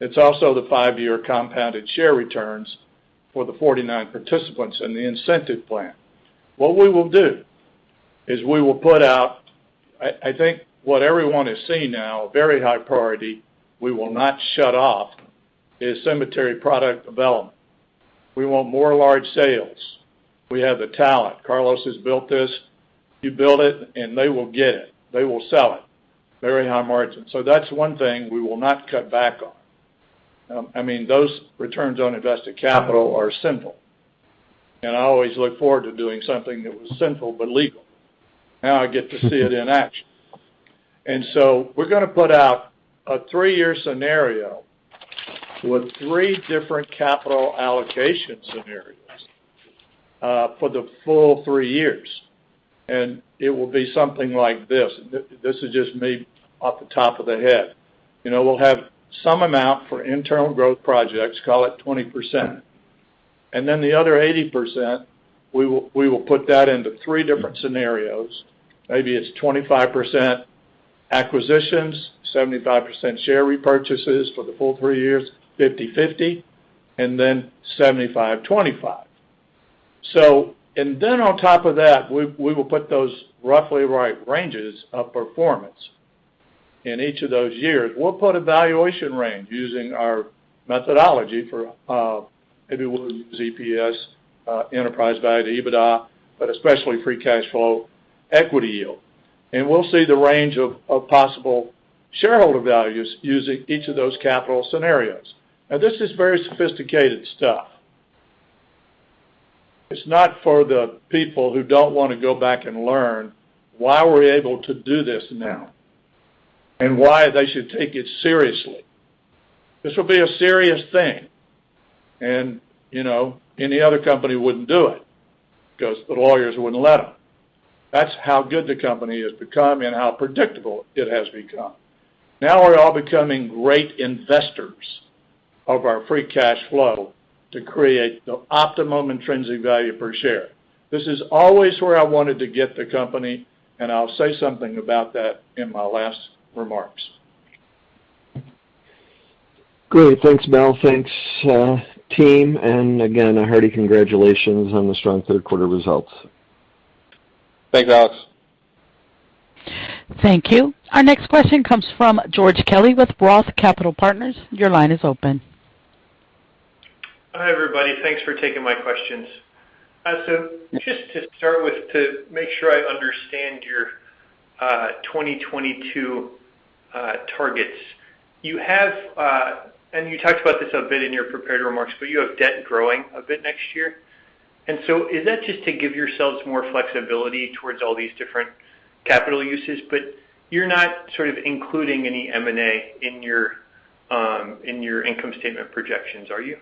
It's also the five-year compounded share returns for the 49 participants in the incentive plan. What we will do is we will put out. I think what everyone is seeing now, very high priority, we will not shut off, is cemetery product development. We want more large sales. We have the talent. Carlos has built this. You build it, and they will get it. They will sell it. Very high margin. That's one thing we will not cut back on. I mean, those returns on invested capital are simple. I always look forward to doing something that was simple but legal. Now I get to see it in action. We're gonna put out a three-year scenario with three different capital allocation scenarios for the full three years, and it will be something like this. This is just me off the top of the head. You know, we'll have some amount for internal growth projects, call it 20%. Then the other 80%, we will put that into three different scenarios. Maybe it's 25% acquisitions, 75% share repurchases for the full three years, 50/50, and then 75/25. On top of that, we will put those roughly right ranges of performance in each of those years. We'll put a valuation range using our methodology for, maybe we'll use EPS, enterprise value to EBITDA, but especially free cash flow equity yield. We'll see the range of possible shareholder values using each of those capital scenarios. Now, this is very sophisticated stuff. It's not for the people who don't wanna go back and learn why we're able to do this now, and why they should take it seriously. This will be a serious thing. You know, any other company wouldn't do it, 'cause the lawyers wouldn't let them. That's how good the company has become and how predictable it has become. Now we're all becoming great investors of our free cash flow to create the optimum intrinsic value per share. This is always where I wanted to get the company, and I'll say something about that in my last remarks. Great. Thanks, Mel. Thanks, team. Again, a hearty congratulations on the strong Q3 results. Thanks, Alex. Thank you. Our next question comes from George Kelly with ROTH Capital Partners. Your line is open. Hi, everybody. Thanks for taking my questions. Just to start with, to make sure I understand your 2022 targets. You have and you talked about this a bit in your prepared remarks, but you have debt growing a bit next year. Is that just to give yourselves more flexibility towards all these different capital uses, but you're not sort of including any M&A in your income statement projections, are you?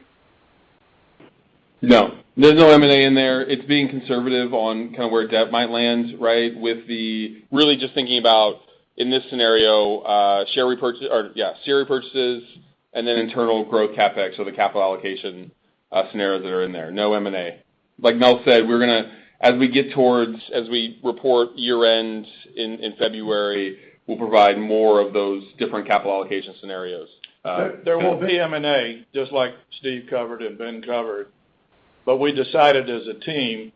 No. There's no M&A in there. It's being conservative on kind of where debt might land, right, with the really just thinking about in this scenario, share repurchases and then internal growth CapEx. The capital allocation scenarios that are in there, no M&A. Like Mel said, we're gonna as we get towards as we report year-end in February, we'll provide more of those different capital allocation scenarios. There will be M&A just like Steve covered and Ben covered. We decided as a team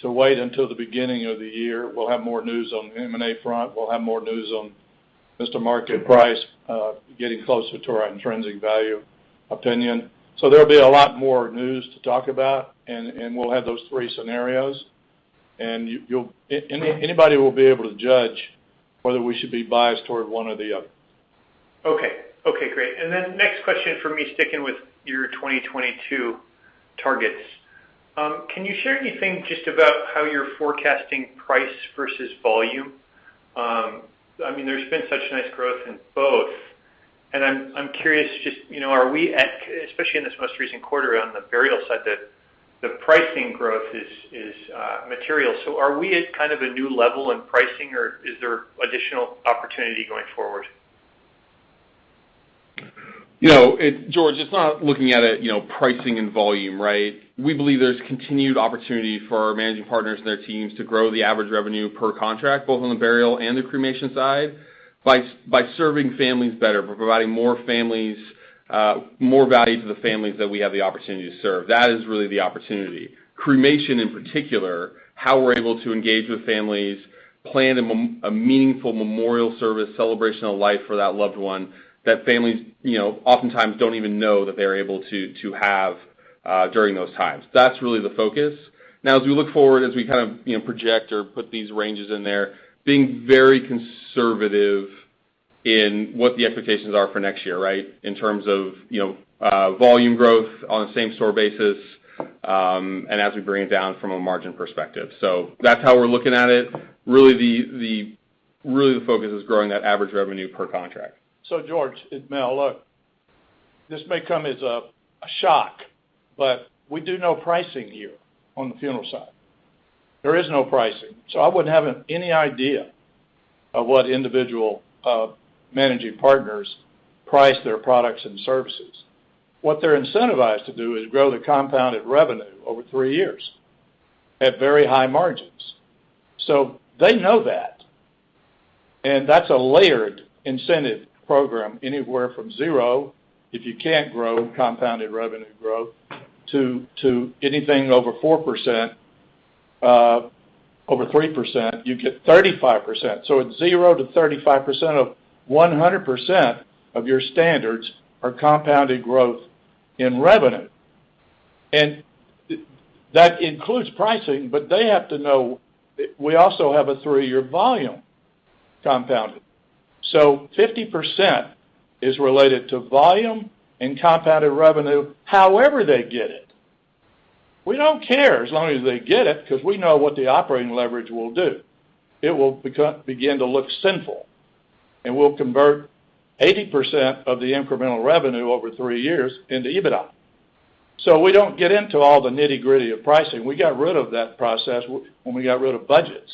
to wait until the beginning of the year. We'll have more news on M&A front. We'll have more news on Mr. Market price getting closer to our intrinsic value opinion. There'll be a lot more news to talk about, and we'll have those three scenarios. Anybody will be able to judge whether we should be biased toward one or the other. Okay. Okay, great. Then next question for me, sticking with your 2022 targets. Can you share anything just about how you're forecasting price versus volume? I mean, there's been such nice growth in both, and I'm curious just, you know, are we at, especially in this most recent quarter on the burial side, the pricing growth is material. Are we at kind of a new level in pricing, or is there additional opportunity going forward? You know, George, it's not looking at it, you know, pricing and volume, right? We believe there's continued opportunity for our managing partners and their teams to grow the average revenue per contract, both on the burial and the cremation side, by serving families better, by providing more families more value to the families that we have the opportunity to serve. That is really the opportunity. Cremation, in particular, how we're able to engage with families, plan a meaningful memorial service, celebration of life for that loved one that families, you know, oftentimes don't even know that they're able to have during those times. That's really the focus. Now as we look forward, as we kind of, you know, project or put these ranges in there, being very conservative in what the expectations are for next year, right? In terms of, you know, volume growth on a same-store basis, and as we bring it down from a margin perspective. That's how we're looking at it. Really, the focus is growing that average revenue per contract. George, it's Mel, look, this may come as a shock, but we do no pricing here on the funeral side. There is no pricing. I wouldn't have any idea of what individual managing partners price their products and services. What they're incentivized to do is grow their compounded revenue over three years at very high margins. They know that, and that's a layered incentive program, anywhere from zero, if you can't grow compounded revenue growth to anything over 4%, over 3%, you get 35%. It's zero to 35% of 100% of your standards are compounded growth in revenue. That includes pricing, but they have to know we also have a three-year volume compounded. 50% is related to volume and compounded revenue, however they get it. We don't care as long as they get it because we know what the operating leverage will do. It will begin to look sinful, and we'll convert 80% of the incremental revenue over three years into EBITDA. We don't get into all the nitty-gritty of pricing. We got rid of that process when we got rid of budgets.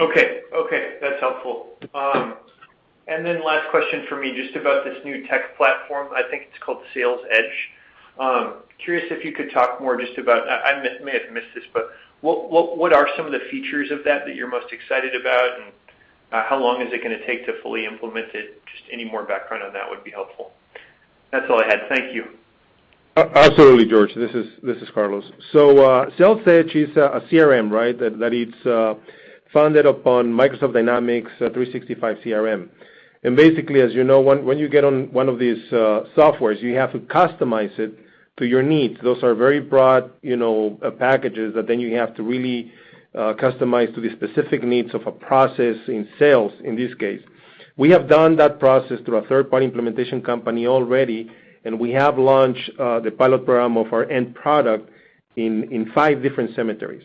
Okay. Okay, that's helpful. Last question for me, just about this new tech platform. I think it's called Sales Edge. Curious if you could talk more just about, I may have missed this, but what are some of the features of that that you're most excited about, and how long is it gonna take to fully implement it? Just any more background on that would be helpful. That's all I had. Thank you. Absolutely, George. This is Carlos. Sales Edge is a CRM, right? That it's founded upon Microsoft Dynamics 365 CRM. Basically, as you know, when you get on one of these softwares, you have to customize it to your needs. Those are very broad, you know, packages that then you have to really customize to the specific needs of a process in sales, in this case. We have done that process through a third-party implementation company already, and we have launched the pilot program of our end product in five different cemeteries.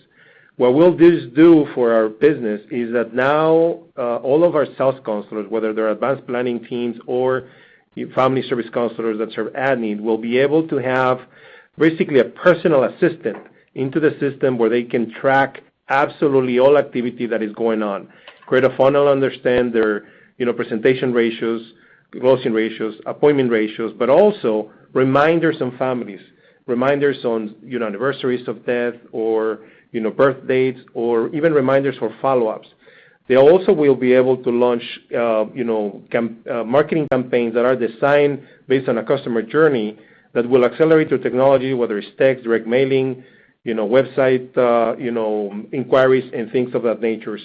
What will this do for our business is that now all of our sales counselors, whether they're advanced planning teams or family service counselors that serve at need, will be able to have basically a personal assistant into the system where they can track absolutely all activity that is going on, create a funnel, understand their, you know, presentation ratios, closing ratios, appointment ratios, but also reminders on families, reminders on, you know, anniversaries of death or, you know, birth dates or even reminders for follow-ups. They also will be able to launch, you know, marketing campaigns that are designed based on a customer journey that will accelerate their technology, whether it's text, direct mailing, you know, website, you know, inquiries and things of that nature.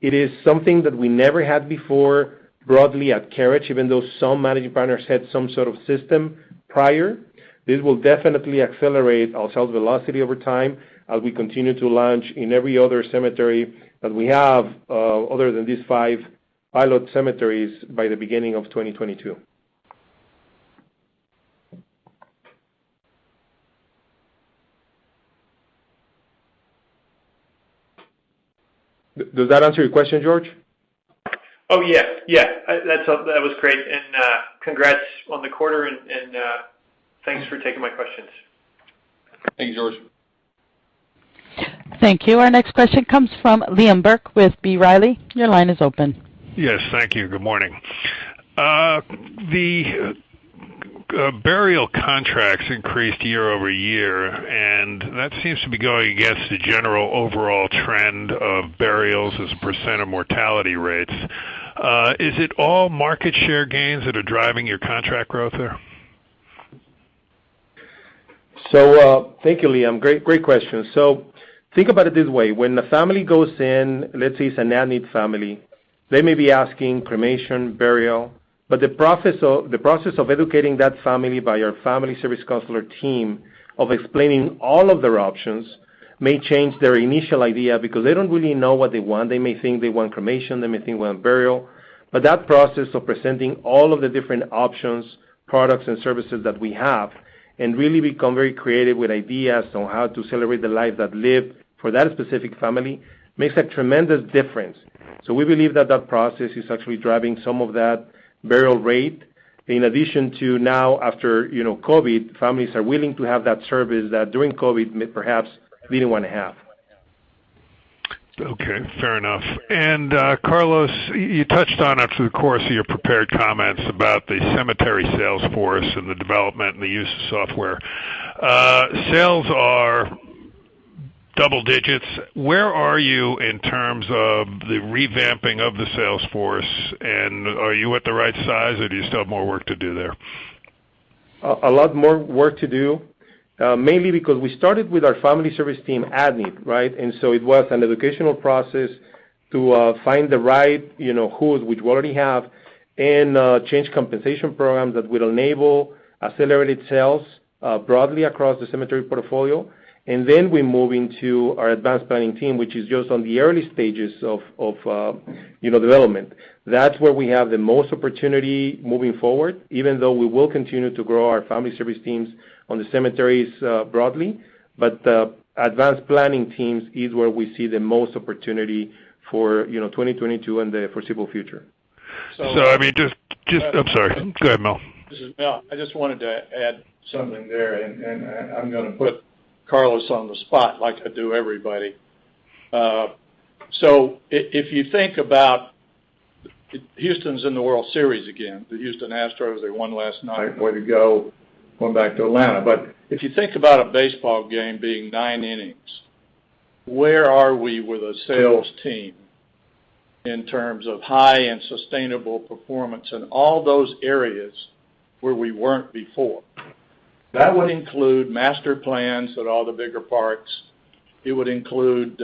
It is something that we never had before broadly at Carriage, even though some managing partners had some sort of system prior. This will definitely accelerate our sales velocity over time as we continue to launch in every other cemetery that we have, other than these five pilot cemeteries by the beginning of 2022. Does that answer your question, George? Oh, yes. That sounds great. Congrats on the quarter and thanks for taking my questions. Thank you, George. Thank you. Our next question comes from Liam Burke with B. Riley. Your line is open. Yes, thank you. Good morning. The burial contracts increased year-over-year, and that seems to be going against the general overall trend of burials as a percent of mortality rates. Is it all market share gains that are driving your contract growth there? Thank you, Liam. Great question. Think about it this way. When the family goes in, let's say it's a need family, they may be asking cremation, burial, but the process of educating that family by our family service counselor team of explaining all of their options may change their initial idea because they don't really know what they want. They may think they want cremation, they may think they want burial. That process of presenting all of the different options, products and services that we have and really become very creative with ideas on how to celebrate the life that lived for that specific family makes a tremendous difference. We believe that process is actually driving some of that burial rate in addition to now after, you know, COVID, families are willing to have that service that during COVID may perhaps didn't wanna have. Okay, fair enough. Carlos, you touched on in the course of your prepared comments about the cemetery sales force and the development and the use of software. Sales are double digits. Where are you in terms of the revamping of the sales force, and are you at the right size, or do you still have more work to do there? A lot more work to do, mainly because we started with our family service team at need, right? It was an educational process to find the right, you know, who we'd already have and change compensation programs that will enable accelerated sales, broadly across the cemetery portfolio. Then we're moving to our advanced planning team, which is just in the early stages of development. That's where we have the most opportunity moving forward, even though we will continue to grow our family service teams on the cemeteries, broadly. Advanced planning teams is where we see the most opportunity for, you know, 2022 and the foreseeable future. I mean, just, I'm sorry. Go ahead, Mel. This is Mel. I just wanted to add something there, and I'm gonna put Carlos on the spot like I do everybody. If you think about Houston's in the World Series again, the Houston Astros, they won last night. Way to go, going back to Atlanta. If you think about a baseball game being nine innings, where are we with a sales team in terms of high and sustainable performance in all those areas where we weren't before? That would include master plans at all the bigger parks. It would include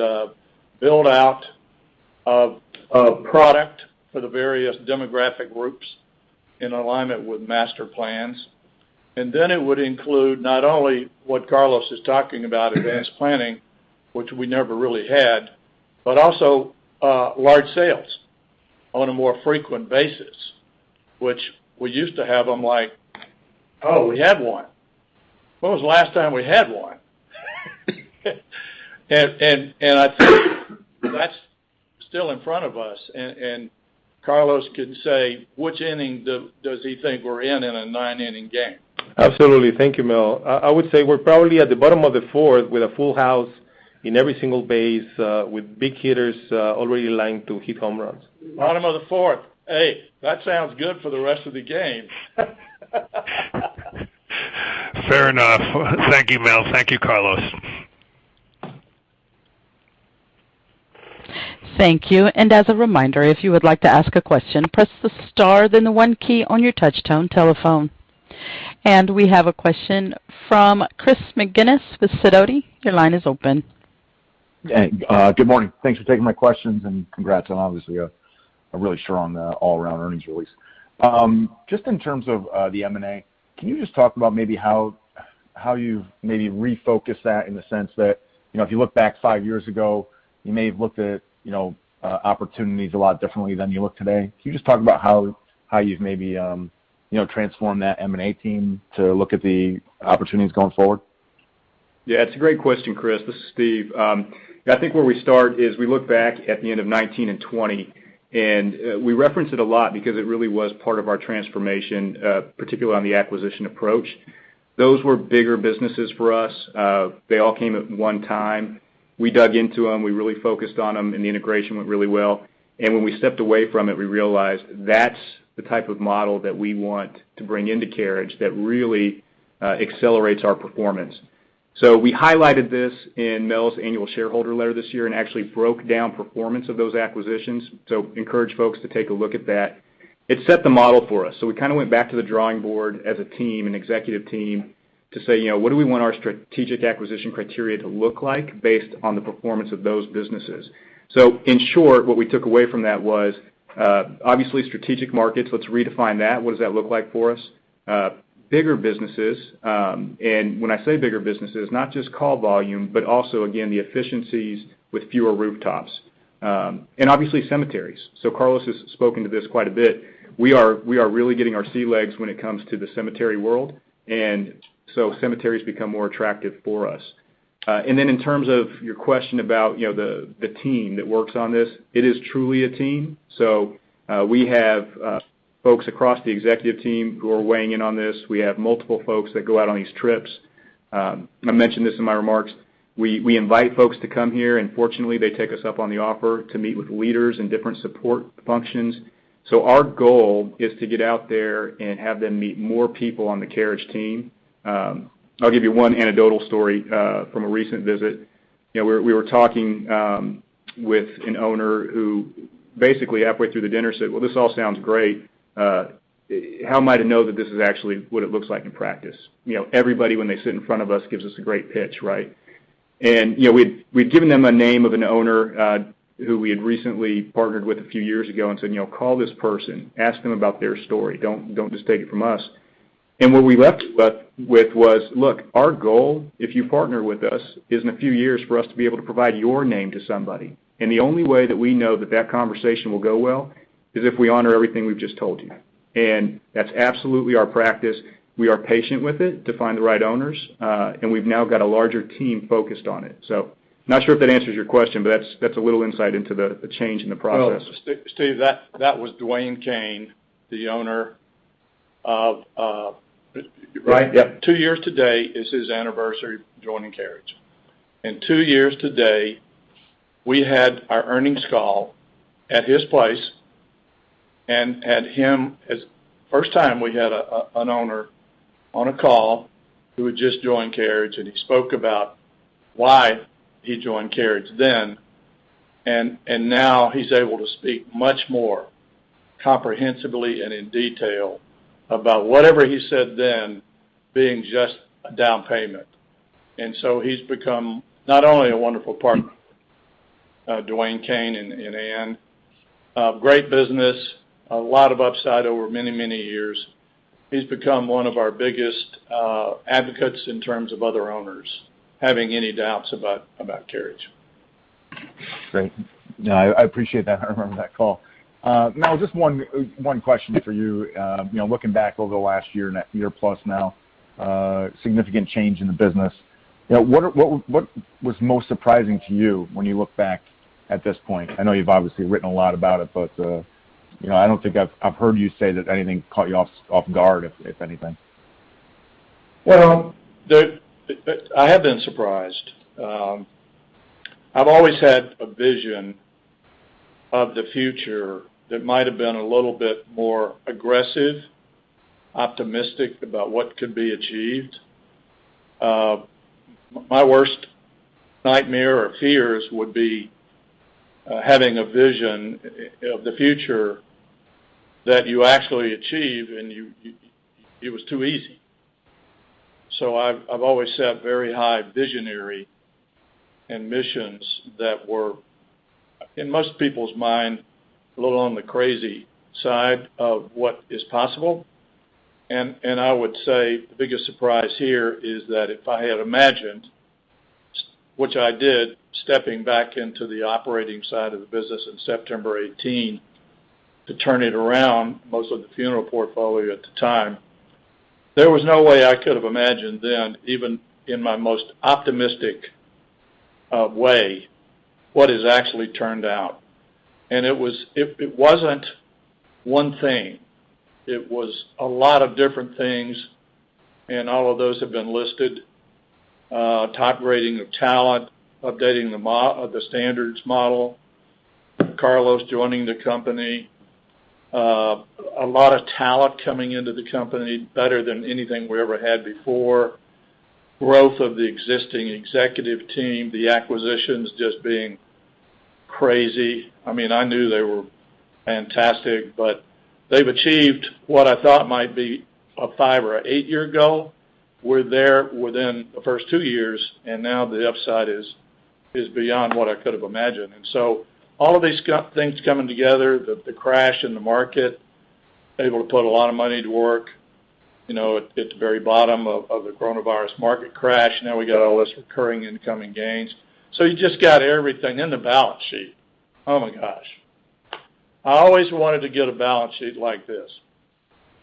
build-out of product for the various demographic groups in alignment with master plans. It would include not only what Carlos is talking about, advanced planning, which we never really had, but also large sales on a more frequent basis, which we used to have them like, oh, we had one. When was the last time we had one? I think that's still in front of us. Carlos can say which inning does he think we're in in a nine-inning game. Absolutely. Thank you, Mel. I would say we're probably at the bottom of the fourth with a full house in every single base, with big hitters already lined to hit home runs. Bottom of the fourth. Hey, that sounds good for the rest of the game. Fair enough. Thank you, Mel. Thank you, Carlos. Thank you. As a reminder, if you would like to ask a question, press the star, then the one key on your touch tone telephone. We have a question from Chris McGinnis with Sidoti. Your line is open. Hey, good morning. Thanks for taking my questions and congrats on obviously a really strong all-around earnings release. Just in terms of the M&A, can you just talk about maybe how you've refocused that in the sense that, you know, if you look back five years ago, you may have looked at, you know, opportunities a lot differently than you look today. Can you just talk about how you've maybe transformed that M&A team to look at the opportunities going forward? Yeah, it's a great question, Chris. This is Steve. I think where we start is we look back at the end of 2019 and 2020, and we reference it a lot because it really was part of our transformation, particularly on the acquisition approach. Those were bigger businesses for us. They all came at one time. We dug into them, we really focused on them, and the integration went really well. When we stepped away from it, we realized that's the type of model that we want to bring into Carriage that really accelerates our performance. We highlighted this in Mel's annual shareholder letter this year and actually broke down performance of those acquisitions. Encourage folks to take a look at that. It set the model for us. We kind of went back to the drawing board as a team and executive team to say, you know, what do we want our strategic acquisition criteria to look like based on the performance of those businesses? In short, what we took away from that was, obviously strategic markets, let's redefine that. What does that look like for us? Bigger businesses, and when I say bigger businesses, not just call volume, but also again, the efficiencies with fewer rooftops, and obviously cemeteries. Carlos has spoken to this quite a bit. We are really getting our sea legs when it comes to the cemetery world, and so cemeteries become more attractive for us. And then in terms of your question about, you know, the team that works on this, it is truly a team. We have folks across the executive team who are weighing in on this. We have multiple folks that go out on these trips. I mentioned this in my remarks. We invite folks to come here, and fortunately, they take us up on the offer to meet with leaders in different support functions. Our goal is to get out there and have them meet more people on the Carriage team. I'll give you one anecdotal story from a recent visit. You know, we were talking with an owner who basically halfway through the dinner said, well, this all sounds great. How am I to know that this is actually what it looks like in practice? You know, everybody, when they sit in front of us, gives us a great pitch, right? You know, we'd given them a name of an owner, who we had recently partnered with a few years ago and said, you know, call this person, ask them about their story. Don't just take it from us. What we left with was, look, our goal, if you partner with us, is in a few years for us to be able to provide your name to somebody. The only way that we know that that conversation will go well is if we honor everything we've just told you. That's absolutely our practice. We are patient with it to find the right owners, and we've now got a larger team focused on it. Not sure if that answers your question, but that's a little insight into the change in the process. Well, Steve, that was Dewayne Cain, the owner of... Right. Yep. Two years today is his anniversary joining Carriage. Two years today, we had our earnings call at his place and had him first time we had an owner on a call who had just joined Carriage, and he spoke about why he joined Carriage then, and now he's able to speak much more comprehensively and in detail about whatever he said then being just a down payment. He's become not only a wonderful partner, Dewayne Cain and Ann, great business, a lot of upsides over many, many years. He's become one of our biggest advocates in terms of other owners having any doubts about Carriage. Great. No, I appreciate that. I remember that call. Mel, just one question for you. You know, looking back over the last year plus now, significant change in the business. You know, what was most surprising to you when you look back at this point? I know you've obviously written a lot about it, but you know, I don't think I've heard you say that anything caught you off guard, if anything. Well, I have been surprised. I've always had a vision of the future that might have been a little bit more aggressive, optimistic about what could be achieved. My worst nightmare or fears would be having a vision of the future that you actually achieve, and it was too easy. I've always set very high visionary ambitions that were, in most people's mind, a little on the crazy side of what is possible. I would say the biggest surprise here is that if I had imagined, which I did, stepping back into the operating side of the business in September 2018, to turn it around, most of the funeral portfolio at the time, there was no way I could have imagined then, even in my most optimistic way, what has actually turned out. It wasn't one thing. It was a lot of different things, and all of those have been listed. Top rating of talent, updating the standards model, Carlos joining the company. A lot of talent coming into the company better than anything we ever had before. Growth of the existing executive team, the acquisitions just being crazy. I mean, I knew they were fantastic, but they've achieved what I thought might be a five- or eight-year goal. We're there within the first two years, and now the upside is beyond what I could have imagined. All of these things coming together, the crash in the market, able to put a lot of money to work, you know, at the very bottom of the coronavirus market crash. Now we got all this recurring incoming gains. You just got everything in the balance sheet. Oh my gosh. I always wanted to get a balance sheet like this.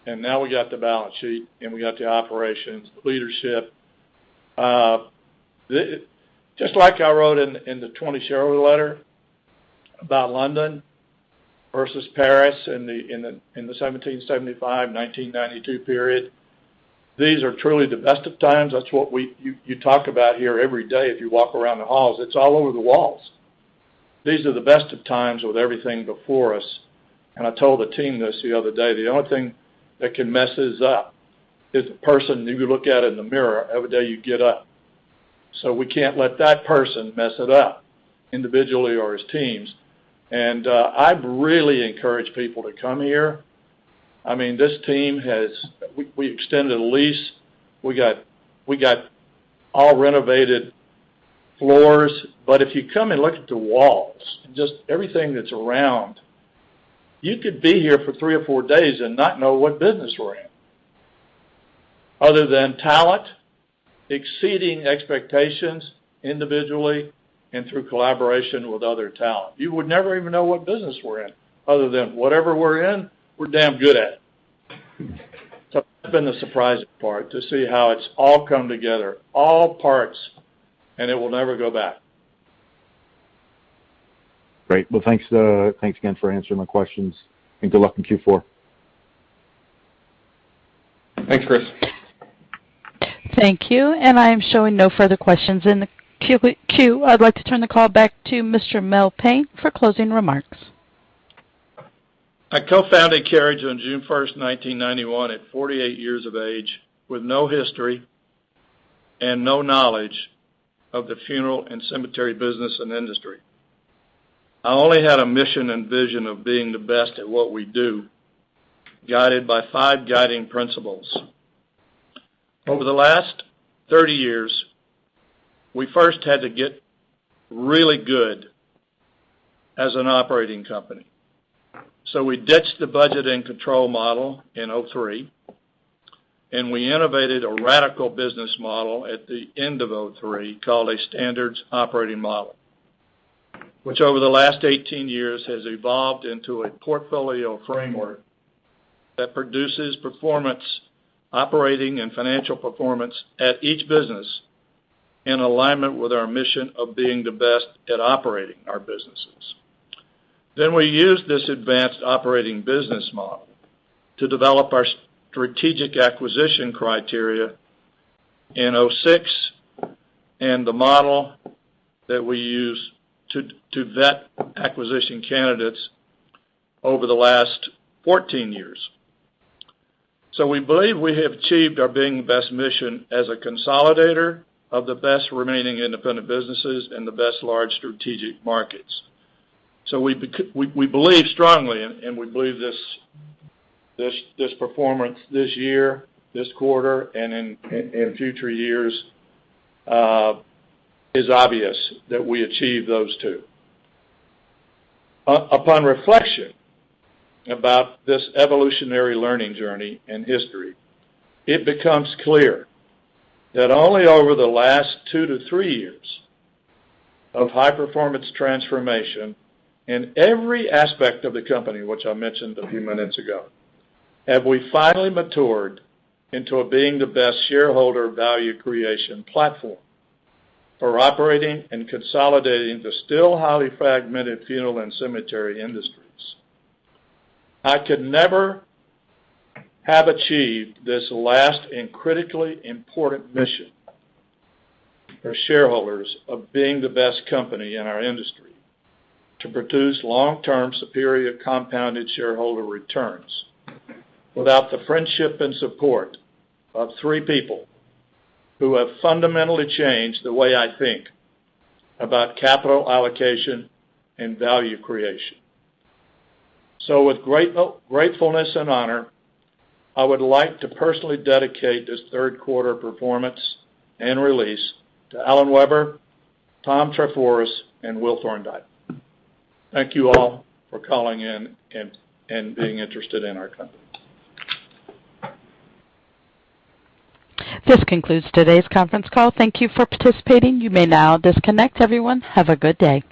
Now we got the balance sheet, and we got the operations, leadership. Just like I wrote in the 2020 shareholder letter about London versus Paris in the 1775, 1992 period. These are truly the best of times. That's what you talk about here every day if you walk around the halls. It's all over the walls. These are the best of times with everything before us, and I told the team this the other day, the only thing that can mess this up is the person who you look at in the mirror every day you get up. We can't let that person mess it up individually or as teams. I'd really encourage people to come here. I mean, we extended a lease. We got all renovated floors. If you come and look at the walls, just everything that's around, you could be here for three or four days and not know what business we're in. Other than talent, exceeding expectations individually and through collaboration with other talent, you would never even know what business we're in. Other than whatever we're in, we're damn good at it. That's been the surprising part, to see how it's all come together, all parts, and it will never go back. Great. Well, thanks again for answering my questions, and good luck in Q4. Thanks, Chris. Thank you. I am showing no further questions in the Q&A. I'd like to turn the call back to Mr. Mel Payne for closing remarks. I co-founded Carriage on June 1st, 1991, at 48 years of age with no history and no knowledge of the funeral and cemetery business and industry. I only had a mission and vision of being the best at what we do, guided by five guiding principles. Over the last 30 years, we first had to get really good as an operating company. We ditched the budget and control model in 2003, and we innovated a radical business model at the end of 2003 called a Standards Operating Model, which over the last 18 years has evolved into a portfolio framework that produces performance, operating and financial performance at each business in alignment with our mission of being the best at operating our businesses. We used this advanced operating business model to develop our strategic acquisition criteria in 2006, and the model that we use to vet acquisition candidates over the last 14 years. We believe we have achieved our being the best mission as a consolidator of the best remaining independent businesses in the best large strategic markets. We believe strongly and we believe this performance this year, this quarter, and in future years is obvious that we achieve those two. Upon reflection about this evolutionary learning journey and history, it becomes clear that only over the last two to three years of high-performance transformation in every aspect of the company, which I mentioned a few minutes ago, have we finally matured into being the best shareholder value creation platform for operating and consolidating the still highly fragmented funeral and cemetery industries. I could never have achieved this last and critically important mission for shareholders of being the best company in our industry to produce long-term superior compounded shareholder returns without the friendship and support of three people who have fundamentally changed the way I think about capital allocation and value creation. With gratefulness and honor, I would like to personally dedicate this Q3 performance and release to Alan Weber, Tom Triforis, and Will Thorndike. Thank you all for calling in and being interested in our company. This concludes today's conference call. Thank you for participating. You may now disconnect. Everyone, have a good day.